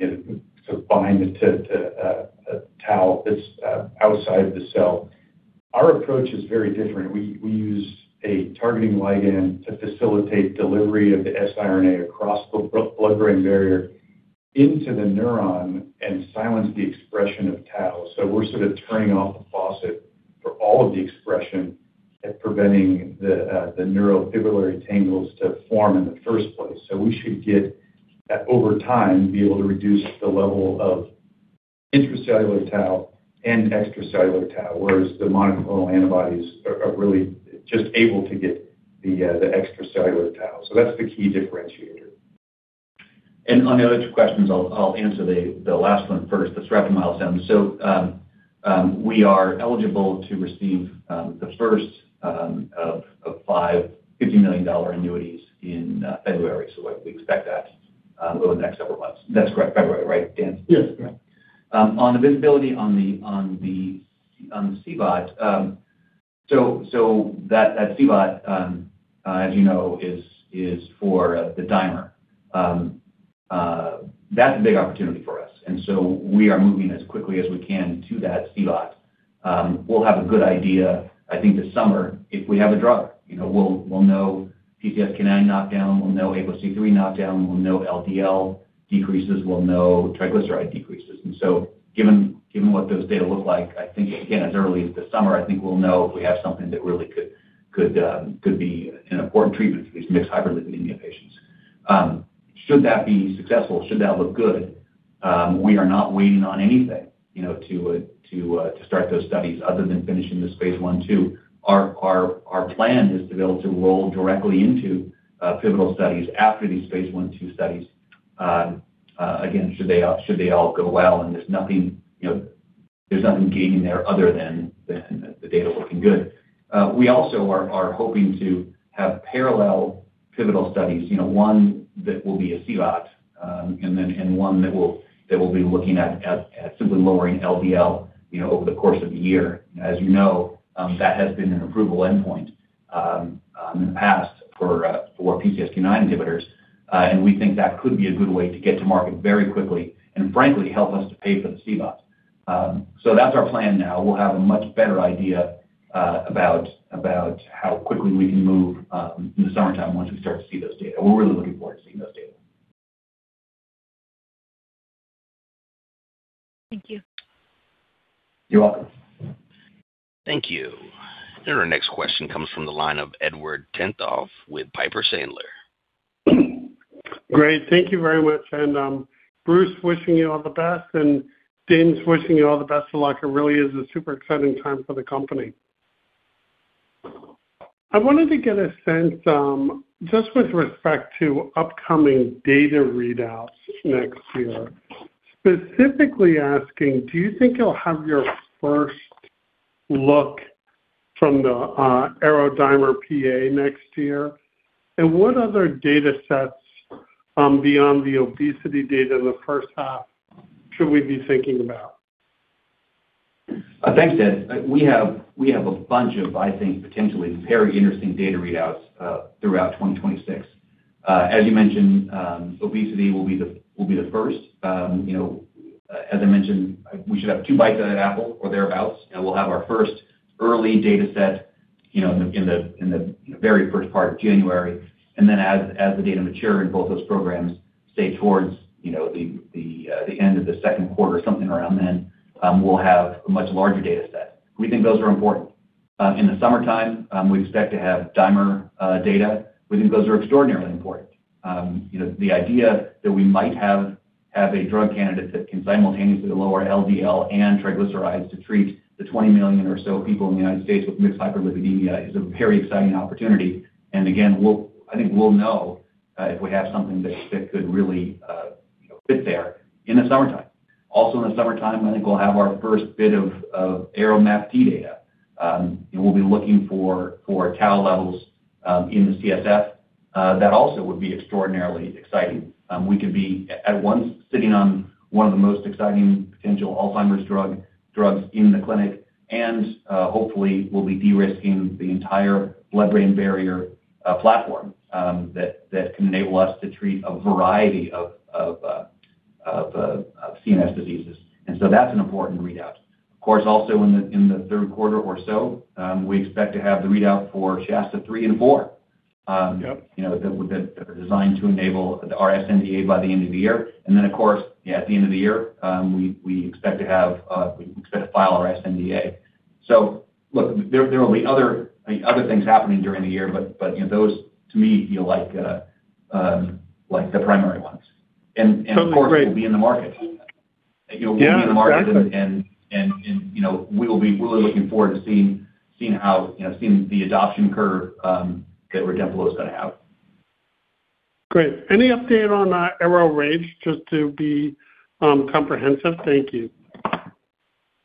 bind to tau that's outside the cell. Our approach is very different. We use a targeting ligand to facilitate delivery of the siRNA across the blood-brain barrier into the neuron and silence the expression of tau. We're sort of turning off the faucet for all of the expression at preventing the neurofibrillary tangles to form in the first place. We should get, over time, be able to reduce the level of intracellular tau and extracellular tau, whereas the monoclonal antibodies are really just able to get the extracellular tau. That is the key differentiator. On the other two questions, I'll answer the last one first, the SREP milestone. We are eligible to receive the first of five $50 million annuities in February. We expect that over the next several months. That's correct. February, right, Dan? Yes, correct. On the visibility on the CBOT, so that CBOT, as you know, is for the dimer. That's a big opportunity for us. We are moving as quickly as we can to that CBOT. We'll have a good idea, I think, this summer if we have a drug. We'll know PCSK9 knockdown, we'll know ApoC3 knockdown, we'll know LDL decreases, we'll know triglyceride decreases. Given what those data look like, I think, again, as early as this summer, I think we'll know if we have something that really could be an important treatment for these mixed hyperlipidemia patients. Should that be successful, should that look good, we are not waiting on anything to start those studies other than finishing this phase one, two. Our plan is to be able to roll directly into pivotal studies after these phase one, two studies. Again, should they all go well and there is nothing gaining there other than the data looking good. We also are hoping to have parallel pivotal studies, one that will be a CBOT and one that will be looking at simply lowering LDL over the course of the year. As you know, that has been an approval endpoint in the past for PCSK9 inhibitors, and we think that could be a good way to get to market very quickly and, frankly, help us to pay for the CBOT. That is our plan now. We will have a much better idea about how quickly we can move in the summertime once we start to see those data. We are really looking forward to seeing those data. Thank you. You're welcome. Thank you. Our next question comes from the line of Edward Tentov with Piper Sandler. Great. Thank you very much. Bruce, wishing you all the best. James, wishing you all the best. Like it really is a super exciting time for the company. I wanted to get a sense just with respect to upcoming data readouts next year. Specifically asking, do you think you'll have your first look from the ArrowDiamond PA next year? What other data sets beyond the obesity data in the first half should we be thinking about? Thanks, Dan. We have a bunch of, I think, potentially very interesting data readouts throughout 2026. As you mentioned, obesity will be the first. As I mentioned, we should have two bites of that apple or thereabouts. We'll have our first early data set in the very first part of January. As the data mature in both those programs, say towards the end of the second quarter, something around then, we'll have a much larger data set. We think those are important. In the summertime, we expect to have dimer data. We think those are extraordinarily important. The idea that we might have a drug candidate that can simultaneously lower LDL and triglycerides to treat the 20 million or so people in the United States with mixed hyperlipidemia is a very exciting opportunity. I think we'll know if we have something that could really fit there in the summertime. Also in the summertime, I think we'll have our first bit of ARO-MAPT data. We'll be looking for tau levels in the CSF. That also would be extraordinarily exciting. We could be at once sitting on one of the most exciting potential Alzheimer's drugs in the clinic, and hopefully we'll be de-risking the entire blood-brain barrier platform that can enable us to treat a variety of CNS diseases. That is an important readout. Of course, also in the third quarter or so, we expect to have the readout for SHASA III and IV that are designed to enable the RSNDA by the end of the year. At the end of the year, we expect to file our SNDA. Look, there will be other things happening during the year, but those, to me, feel like the primary ones. Of course, we'll be in the market. We'll be in the market, and we'll be really looking forward to seeing the adoption curve that Redemplo is going to have. Great. Any update on ARO-RAGE just to be comprehensive? Thank you.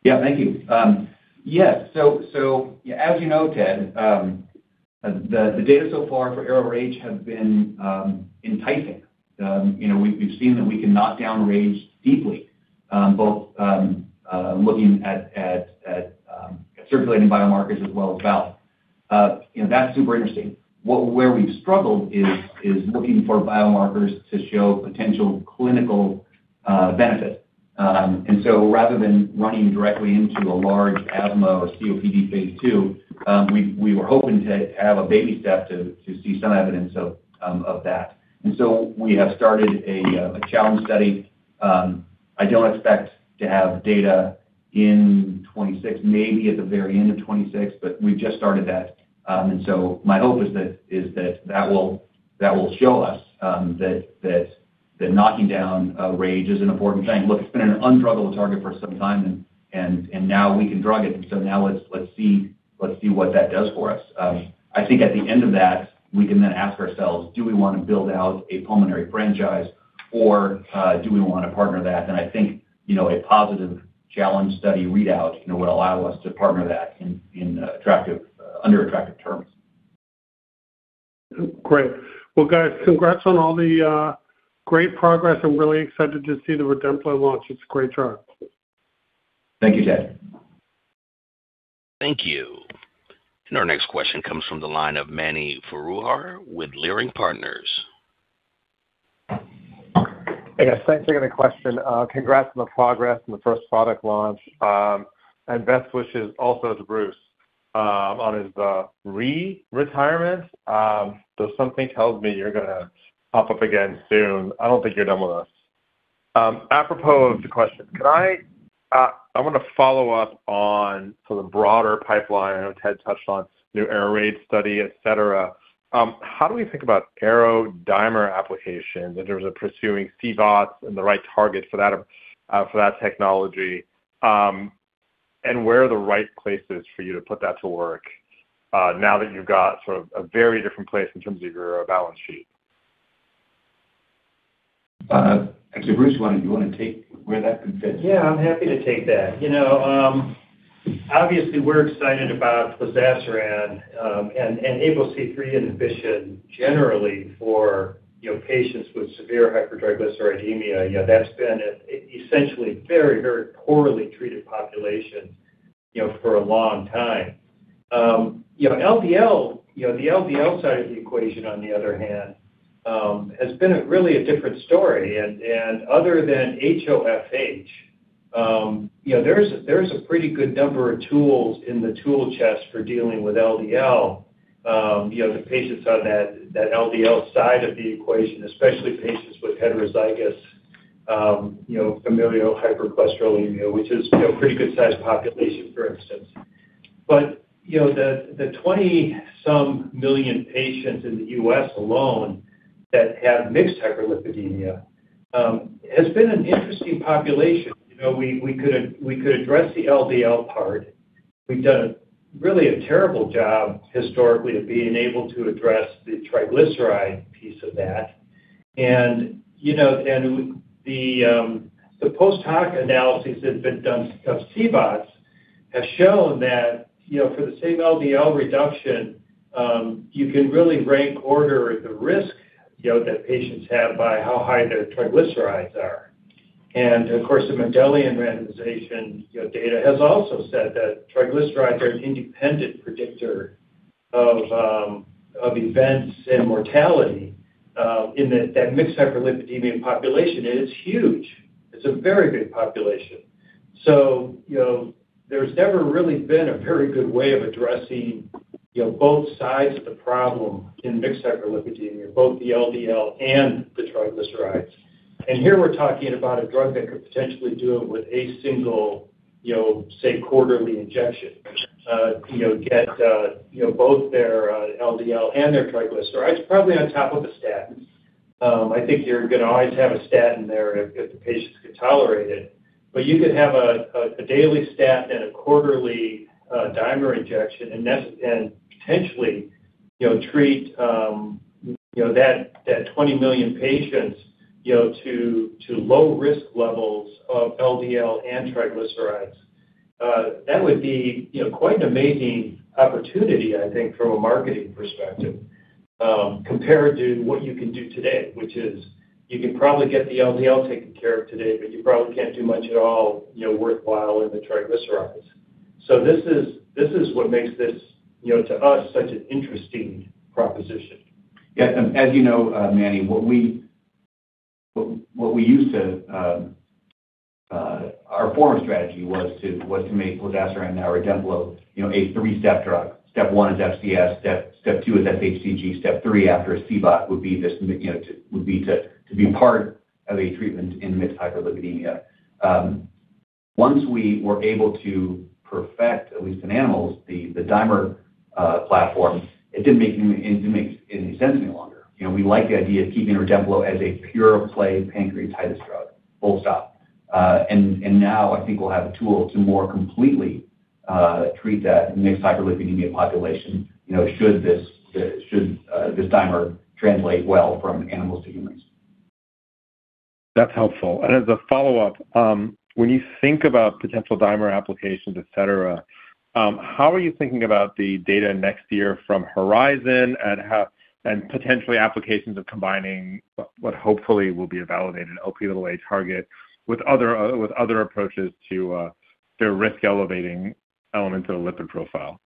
Yeah, thank you. Yes. As you know, Ted, the data so far for ARO-RAGE have been enticing. We've seen that we can knock down RAGE deeply, both looking at circulating biomarkers as well as valve. That's super interesting. Where we've struggled is looking for biomarkers to show potential clinical benefit. Rather than running directly into a large asthma or COPD phase II, we were hoping to have a baby step to see some evidence of that. We have started a challenge study. I don't expect to have data in 2026, maybe at the very end of 2026, but we've just started that. My hope is that that will show us that knocking down RAGE is an important thing. Look, it's been an undruggable target for some time, and now we can drug it. Now let's see what that does for us. I think at the end of that, we can then ask ourselves, do we want to build out a pulmonary franchise, or do we want to partner that? I think a positive challenge study readout will allow us to partner that in under attractive terms. Great. Guys, congrats on all the great progress. I'm really excited to see the Redemplo launch. It's a great drug. Thank you, Ted. Thank you. Our next question comes from the line of Emmanuel Walter with Leerink Partners. Hey, guys, thanks again for the question. Congrats on the progress and the first product launch. Best wishes also to Bruce on his re-retirement. Though something tells me you're going to pop up again soon. I don't think you're done with us. Apropos of the question, I want to follow up on the broader pipeline I know Ted touched on, new ArrowRage study, etc. How do we think about ArrowDimer applications in terms of pursuing CBOTs and the right target for that technology, and where are the right places for you to put that to work now that you've got sort of a very different place in terms of your balance sheet? Actually, Bruce, do you want to take where that fits? Yeah, I'm happy to take that. Obviously, we're excited about Zodasiran and ApoC3 inhibition generally for patients with severe hypertriglyceridemia. That's been essentially very, very poorly treated population for a long time. LDL, the LDL side of the equation, on the other hand, has been really a different story. Other than HoFH, there's a pretty good number of tools in the tool chest for dealing with LDL. The patients on that LDL side of the equation, especially patients with heterozygous familial hypercholesterolemia, which is a pretty good-sized population, for instance. The 20-some million patients in the US alone that have mixed hyperlipidemia has been an interesting population. We could address the LDL part. We've done really a terrible job historically of being able to address the triglyceride piece of that. The post-hoc analyses that have been done of CBOTs have shown that for the same LDL reduction, you can really rank order the risk that patients have by how high their triglycerides are. Of course, the Mendelian randomization data has also said that triglycerides are an independent predictor of events and mortality in that mixed hyperlipidemia population. It's huge. It's a very big population. There's never really been a very good way of addressing both sides of the problem in mixed hyperlipidemia, both the LDL and the triglycerides. Here we're talking about a drug that could potentially do it with a single, say, quarterly injection, get both their LDL and their triglycerides, probably on top of a statin. I think you're going to always have a statin there if the patients can tolerate it. You could have a daily statin and a quarterly dimer injection and potentially treat that 20 million patients to low-risk levels of LDL and triglycerides. That would be quite an amazing opportunity, I think, from a marketing perspective compared to what you can do today, which is you can probably get the LDL taken care of today, but you probably can't do much at all worthwhile in the triglycerides. This is what makes this, to us, such an interesting proposition. Yeah. As you know, Manny, what we used to, our former strategy was to make Zodasiran and Redemplo a three-step drug. Step one is FCS, step two is SHTG, step three after ASCVD would be to be part of a treatment in mixed hyperlipidemia. Once we were able to perfect, at least in animals, the dimer platform, it didn't make any sense any longer. We liked the idea of keeping Redemplo as a pure-play pancreatitis drug. Full stop. Now I think we'll have a tool to more completely treat that mixed hyperlipidemia population should this dimer translate well from animals to humans. That's helpful. As a follow-up, when you think about potential dimer applications, etc., how are you thinking about the data next year from Horizon and potentially applications of combining what hopefully will be a validated LPA target with other approaches to their risk-elevating elements of the lipid profile?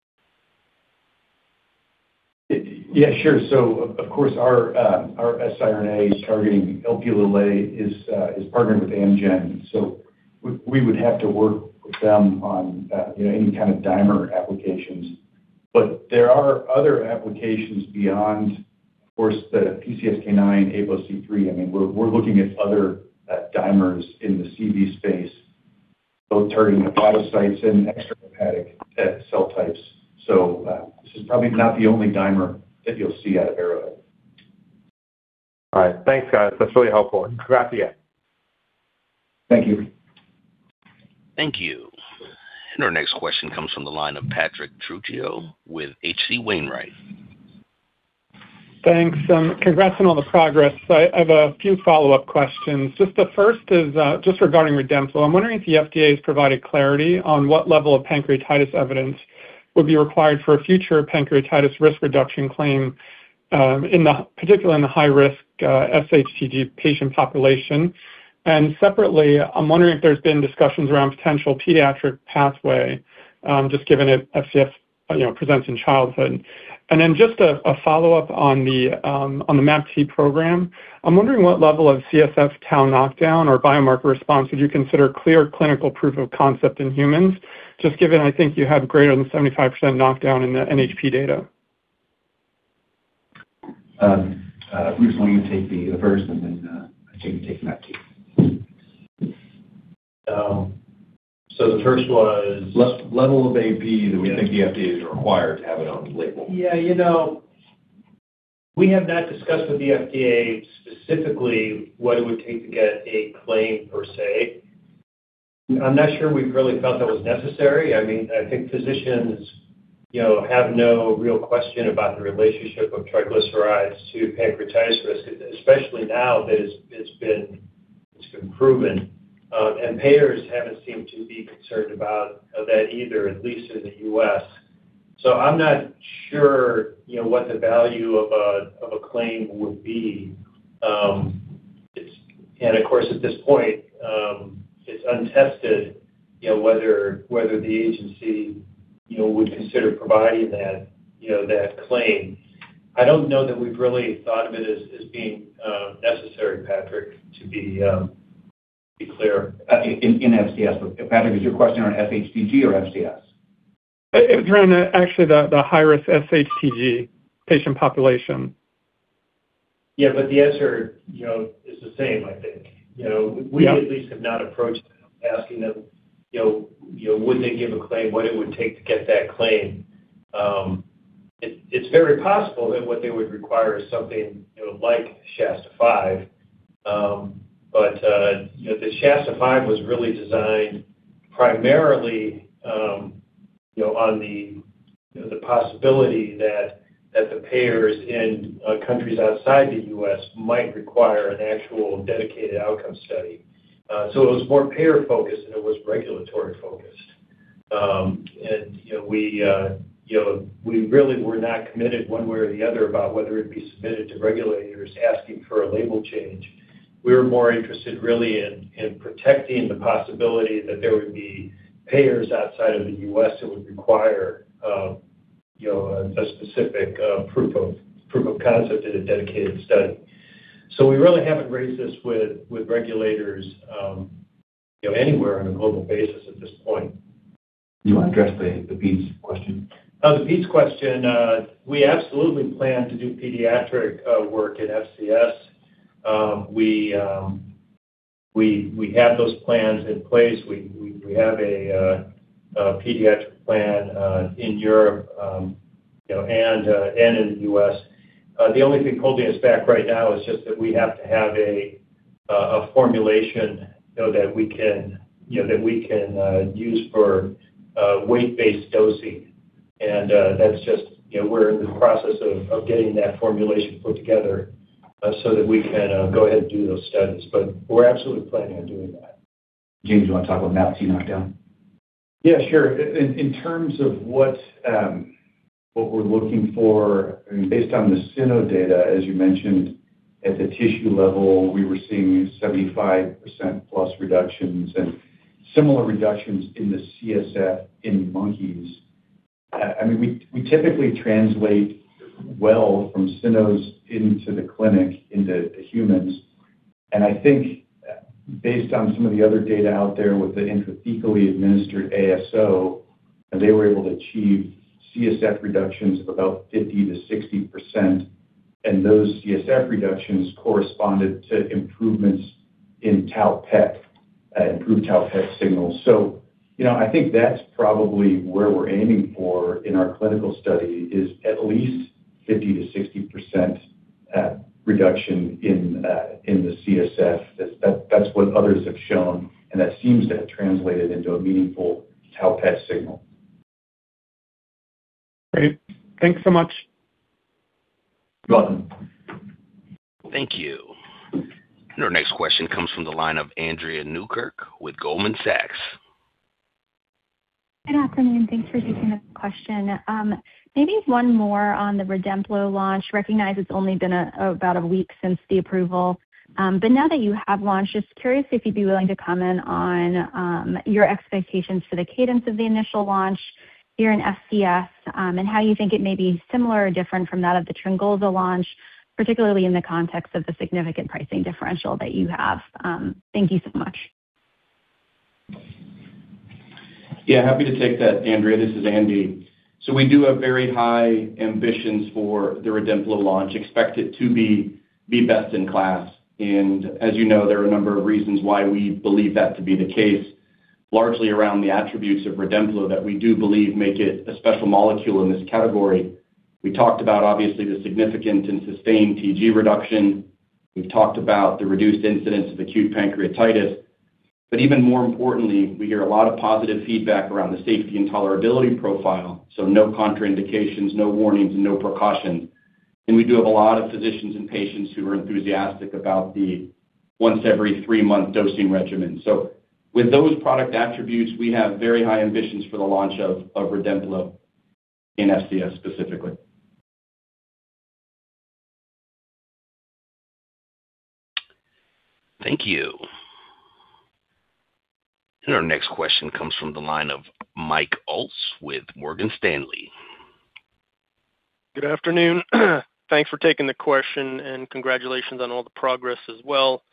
Yeah, sure. Of course, our siRNA targeting LPA is partnered with Amgen. We would have to work with them on any kind of dimer applications. There are other applications beyond, of course, the PCSK9, ApoC3. I mean, we're looking at other dimers in the CV space, both targeting hepatocytes and extrahepatic cell types. This is probably not the only dimer that you'll see out of Arrowhead. All right. Thanks, guys. That's really helpful. Congrats again. Thank you. Thank you. Our next question comes from the line of Patrick Trujillo with H.C. Wainwright. Thanks. Congrats on all the progress. I have a few follow-up questions. The first is just regarding Redemplo. I'm wondering if the FDA has provided clarity on what level of pancreatitis evidence would be required for a future pancreatitis risk reduction claim, particularly in the high-risk SHTG patient population. Separately, I'm wondering if there's been discussions around potential pediatric pathway, just given that FCS presents in childhood. A follow-up on the MAPT program, I'm wondering what level of CSF tau knockdown or biomarker response would you consider clear clinical proof of concept in humans, just given I think you have greater than 75% knockdown in the NHP data. Bruce, why don't you take the first, and then I'll take the MAPT. The first was level of AP that we think the FDA is required to have it on the label. Yeah. We have not discussed with the FDA specifically what it would take to get a claim per se. I'm not sure we've really felt that was necessary. I mean, I think physicians have no real question about the relationship of triglycerides to pancreatitis risk, especially now that it's been proven. And payers haven't seemed to be concerned about that either, at least in the U.S. I'm not sure what the value of a claim would be. Of course, at this point, it's untested whether the agency would consider providing that claim. I don't know that we've really thought of it as being necessary, Patrick, to be clear. In FCS. Patrick, is your question on FHCG or FCS? Actually, the high-risk SHTG patient population. Yeah, but the answer is the same, I think. We at least have not approached them asking them, would they give a claim, what it would take to get that claim. It's very possible that what they would require is something like Shasta V. The Shasta V was really designed primarily on the possibility that the payers in countries outside the U.S. might require an actual dedicated outcome study. It was more payer-focused, and it was regulatory-focused. We really were not committed one way or the other about whether it'd be submitted to regulators asking for a label change. We were more interested really in protecting the possibility that there would be payers outside of the U.S. that would require a specific proof of concept in a dedicated study. We really haven't raised this with regulators anywhere on a global basis at this point. Do you want to address the peds question? The peds question. We absolutely plan to do pediatric work in FCS. We have those plans in place. We have a pediatric plan in Europe and in the U.S. The only thing holding us back right now is just that we have to have a formulation that we can use for weight-based dosing. That is just we're in the process of getting that formulation put together so that we can go ahead and do those studies. We are absolutely planning on doing that. Jim, do you want to talk about MAPT knockdown? Yeah, sure. In terms of what we're looking for, based on the SINO data, as you mentioned, at the tissue level, we were seeing 75% plus reductions and similar reductions in the CSF in monkeys. I mean, we typically translate well from SINOs into the clinic, into humans. I think based on some of the other data out there with the intrathecally administered ASO, they were able to achieve CSF reductions of about 50-60%. Those CSF reductions corresponded to improvements in tau PET, improved tau PET signals. I think that's probably where we're aiming for in our clinical study, is at least 50-60% reduction in the CSF. That's what others have shown. That seems to have translated into a meaningful tau PET signal. Great. Thanks so much. You're welcome. Thank you. Our next question comes from the line of Andrea Newkirk with Goldman Sachs. Good afternoon. Thanks for taking the question. Maybe one more on the Redemplo launch. Recognize it's only been about a week since the approval. Now that you have launched, just curious if you'd be willing to comment on your expectations for the cadence of the initial launch here in FCS and how you think it may be similar or different from that of the Trilipix launch, particularly in the context of the significant pricing differential that you have. Thank you so much. Yeah, happy to take that, Andrea. This is Andy. We do have very high ambitions for the Redemplo launch. Expect it to be best in class. As you know, there are a number of reasons why we believe that to be the case, largely around the attributes of Redemplo that we do believe make it a special molecule in this category. We talked about, obviously, the significant and sustained TG reduction. We have talked about the reduced incidence of acute pancreatitis. Even more importantly, we hear a lot of positive feedback around the safety and tolerability profile. No contraindications, no warnings, and no precautions. We do have a lot of physicians and patients who are enthusiastic about the once-every-three-month dosing regimen. With those product attributes, we have very high ambitions for the launch of Redemplo in FCS specifically. Thank you. Our next question comes from the line of Mike Ulse with Morgan Stanley. Good afternoon. Thanks for taking the question. Congratulations on all the progress as well.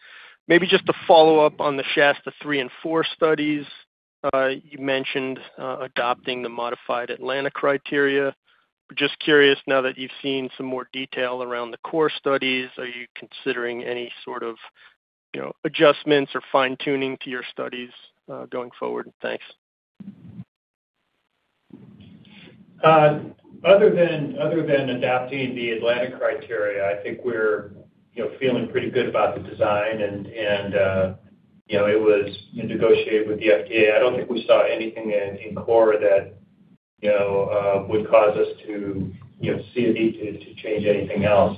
Maybe just to follow up on the SHASA3 and 4 studies, you mentioned adopting the modified Atlanta criteria. Just curious, now that you've seen some more detail around the core studies, are you considering any sort of adjustments or fine-tuning to your studies going forward? Thanks. Other than adopting the Atlanta criteria, I think we're feeling pretty good about the design. It was negotiated with the FDA. I don't think we saw anything in core that would cause us to see a need to change anything else.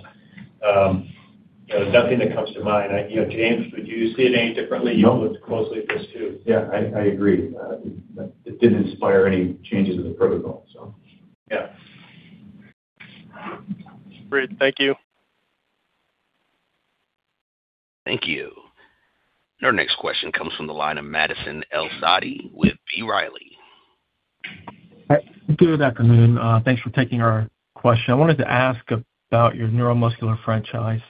Nothing that comes to mind. James, would you see it any differently? You've looked closely at this too. Yeah, I agree. It did not inspire any changes in the protocol, so. Yeah. Great. Thank you. Thank you. Our next question comes from the line of Madison El-Saadi with B. Riley. Good afternoon. Thanks for taking our question. I wanted to ask about your neuromuscular franchise.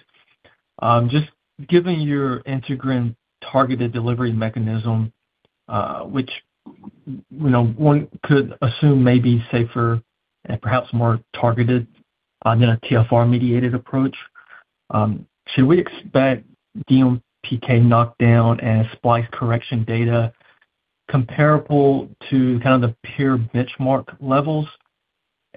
Just given your integrin targeted delivery mechanism, which one could assume may be safer and perhaps more targeted than a TFR-mediated approach, should we expect DMPK knockdown and splice correction data comparable to kind of the pure benchmark levels?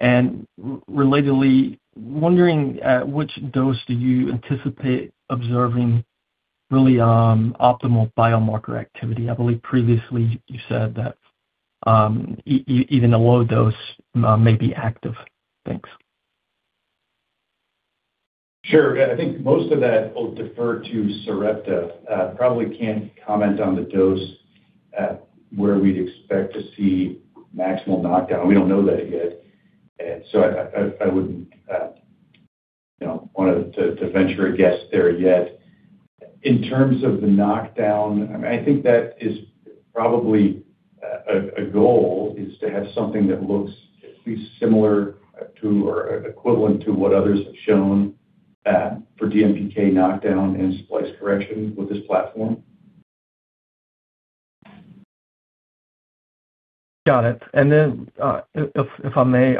Relatedly, wondering which dose do you anticipate observing really optimal biomarker activity? I believe previously you said that even a low dose may be active. Thanks. Sure. I think most of that will defer to Sarepta. Probably can't comment on the dose where we'd expect to see maximal knockdown. We don't know that yet. I wouldn't want to venture a guess there yet. In terms of the knockdown, I mean, I think that is probably a goal, is to have something that looks at least similar to or equivalent to what others have shown for DMPK knockdown and splice correction with this platform. Got it. If I may,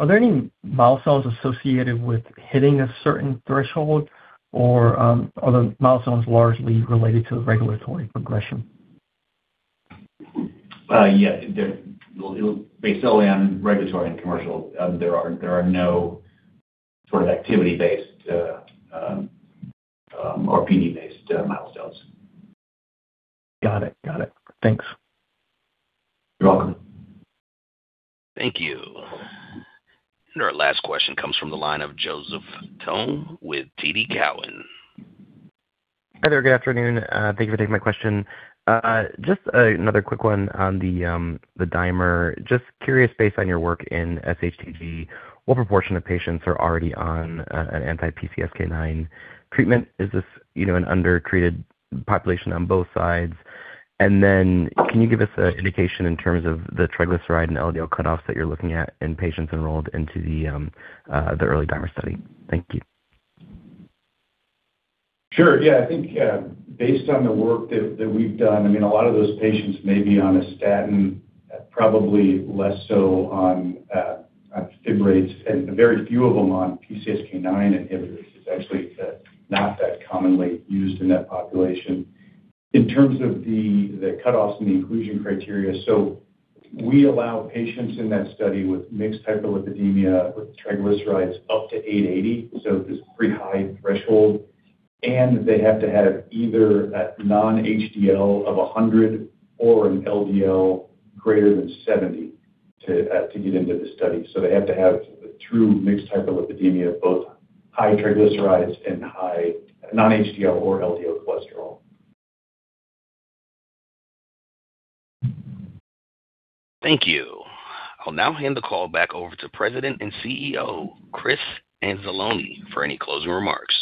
are there any milestones associated with hitting a certain threshold, or are the milestones largely related to regulatory progression? Yeah. Based solely on regulatory and commercial, there are no sort of activity-based or PD-based milestones. Got it. Got it. Thanks. You're welcome. Thank you. Our last question comes from the line of Joseph Thone with TD Cowen. Hi there. Good afternoon. Thank you for taking my question. Just another quick one on the dimer. Just curious, based on your work in SHTG, what proportion of patients are already on an anti-PCSK9 treatment? Is this an under-treated population on both sides? Can you give us an indication in terms of the triglyceride and LDL cutoffs that you're looking at in patients enrolled into the early dimer study? Thank you. Sure. Yeah. I think based on the work that we've done, I mean, a lot of those patients may be on a statin, probably less so on FIB rates and very few of them on PCSK9 inhibitors. It's actually not that commonly used in that population. In terms of the cutoffs and the inclusion criteria, we allow patients in that study with mixed hyperlipidemia with triglycerides up to 880. This is a pretty high threshold. They have to have either a non-HDL of 100 or an LDL greater than 70 to get into the study. They have to have true mixed hyperlipidemia, both high triglycerides and high non-HDL or LDL cholesterol. Thank you. I'll now hand the call back over to President and CEO Chris Anzalone for any closing remarks.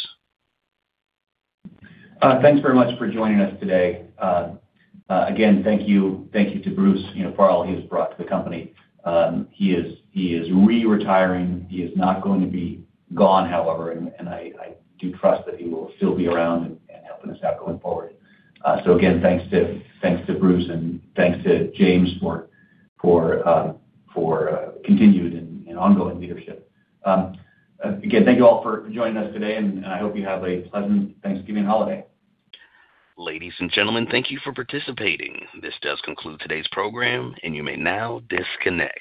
Thanks very much for joining us today. Again, thank you to Bruce for all he has brought to the company. He is re-retiring. He is not going to be gone, however. I do trust that he will still be around and helping us out going forward. Again, thanks to Bruce and thanks to James for continued and ongoing leadership. Again, thank you all for joining us today. I hope you have a pleasant Thanksgiving holiday. Ladies and gentlemen, thank you for participating. This does conclude today's program, and you may now disconnect.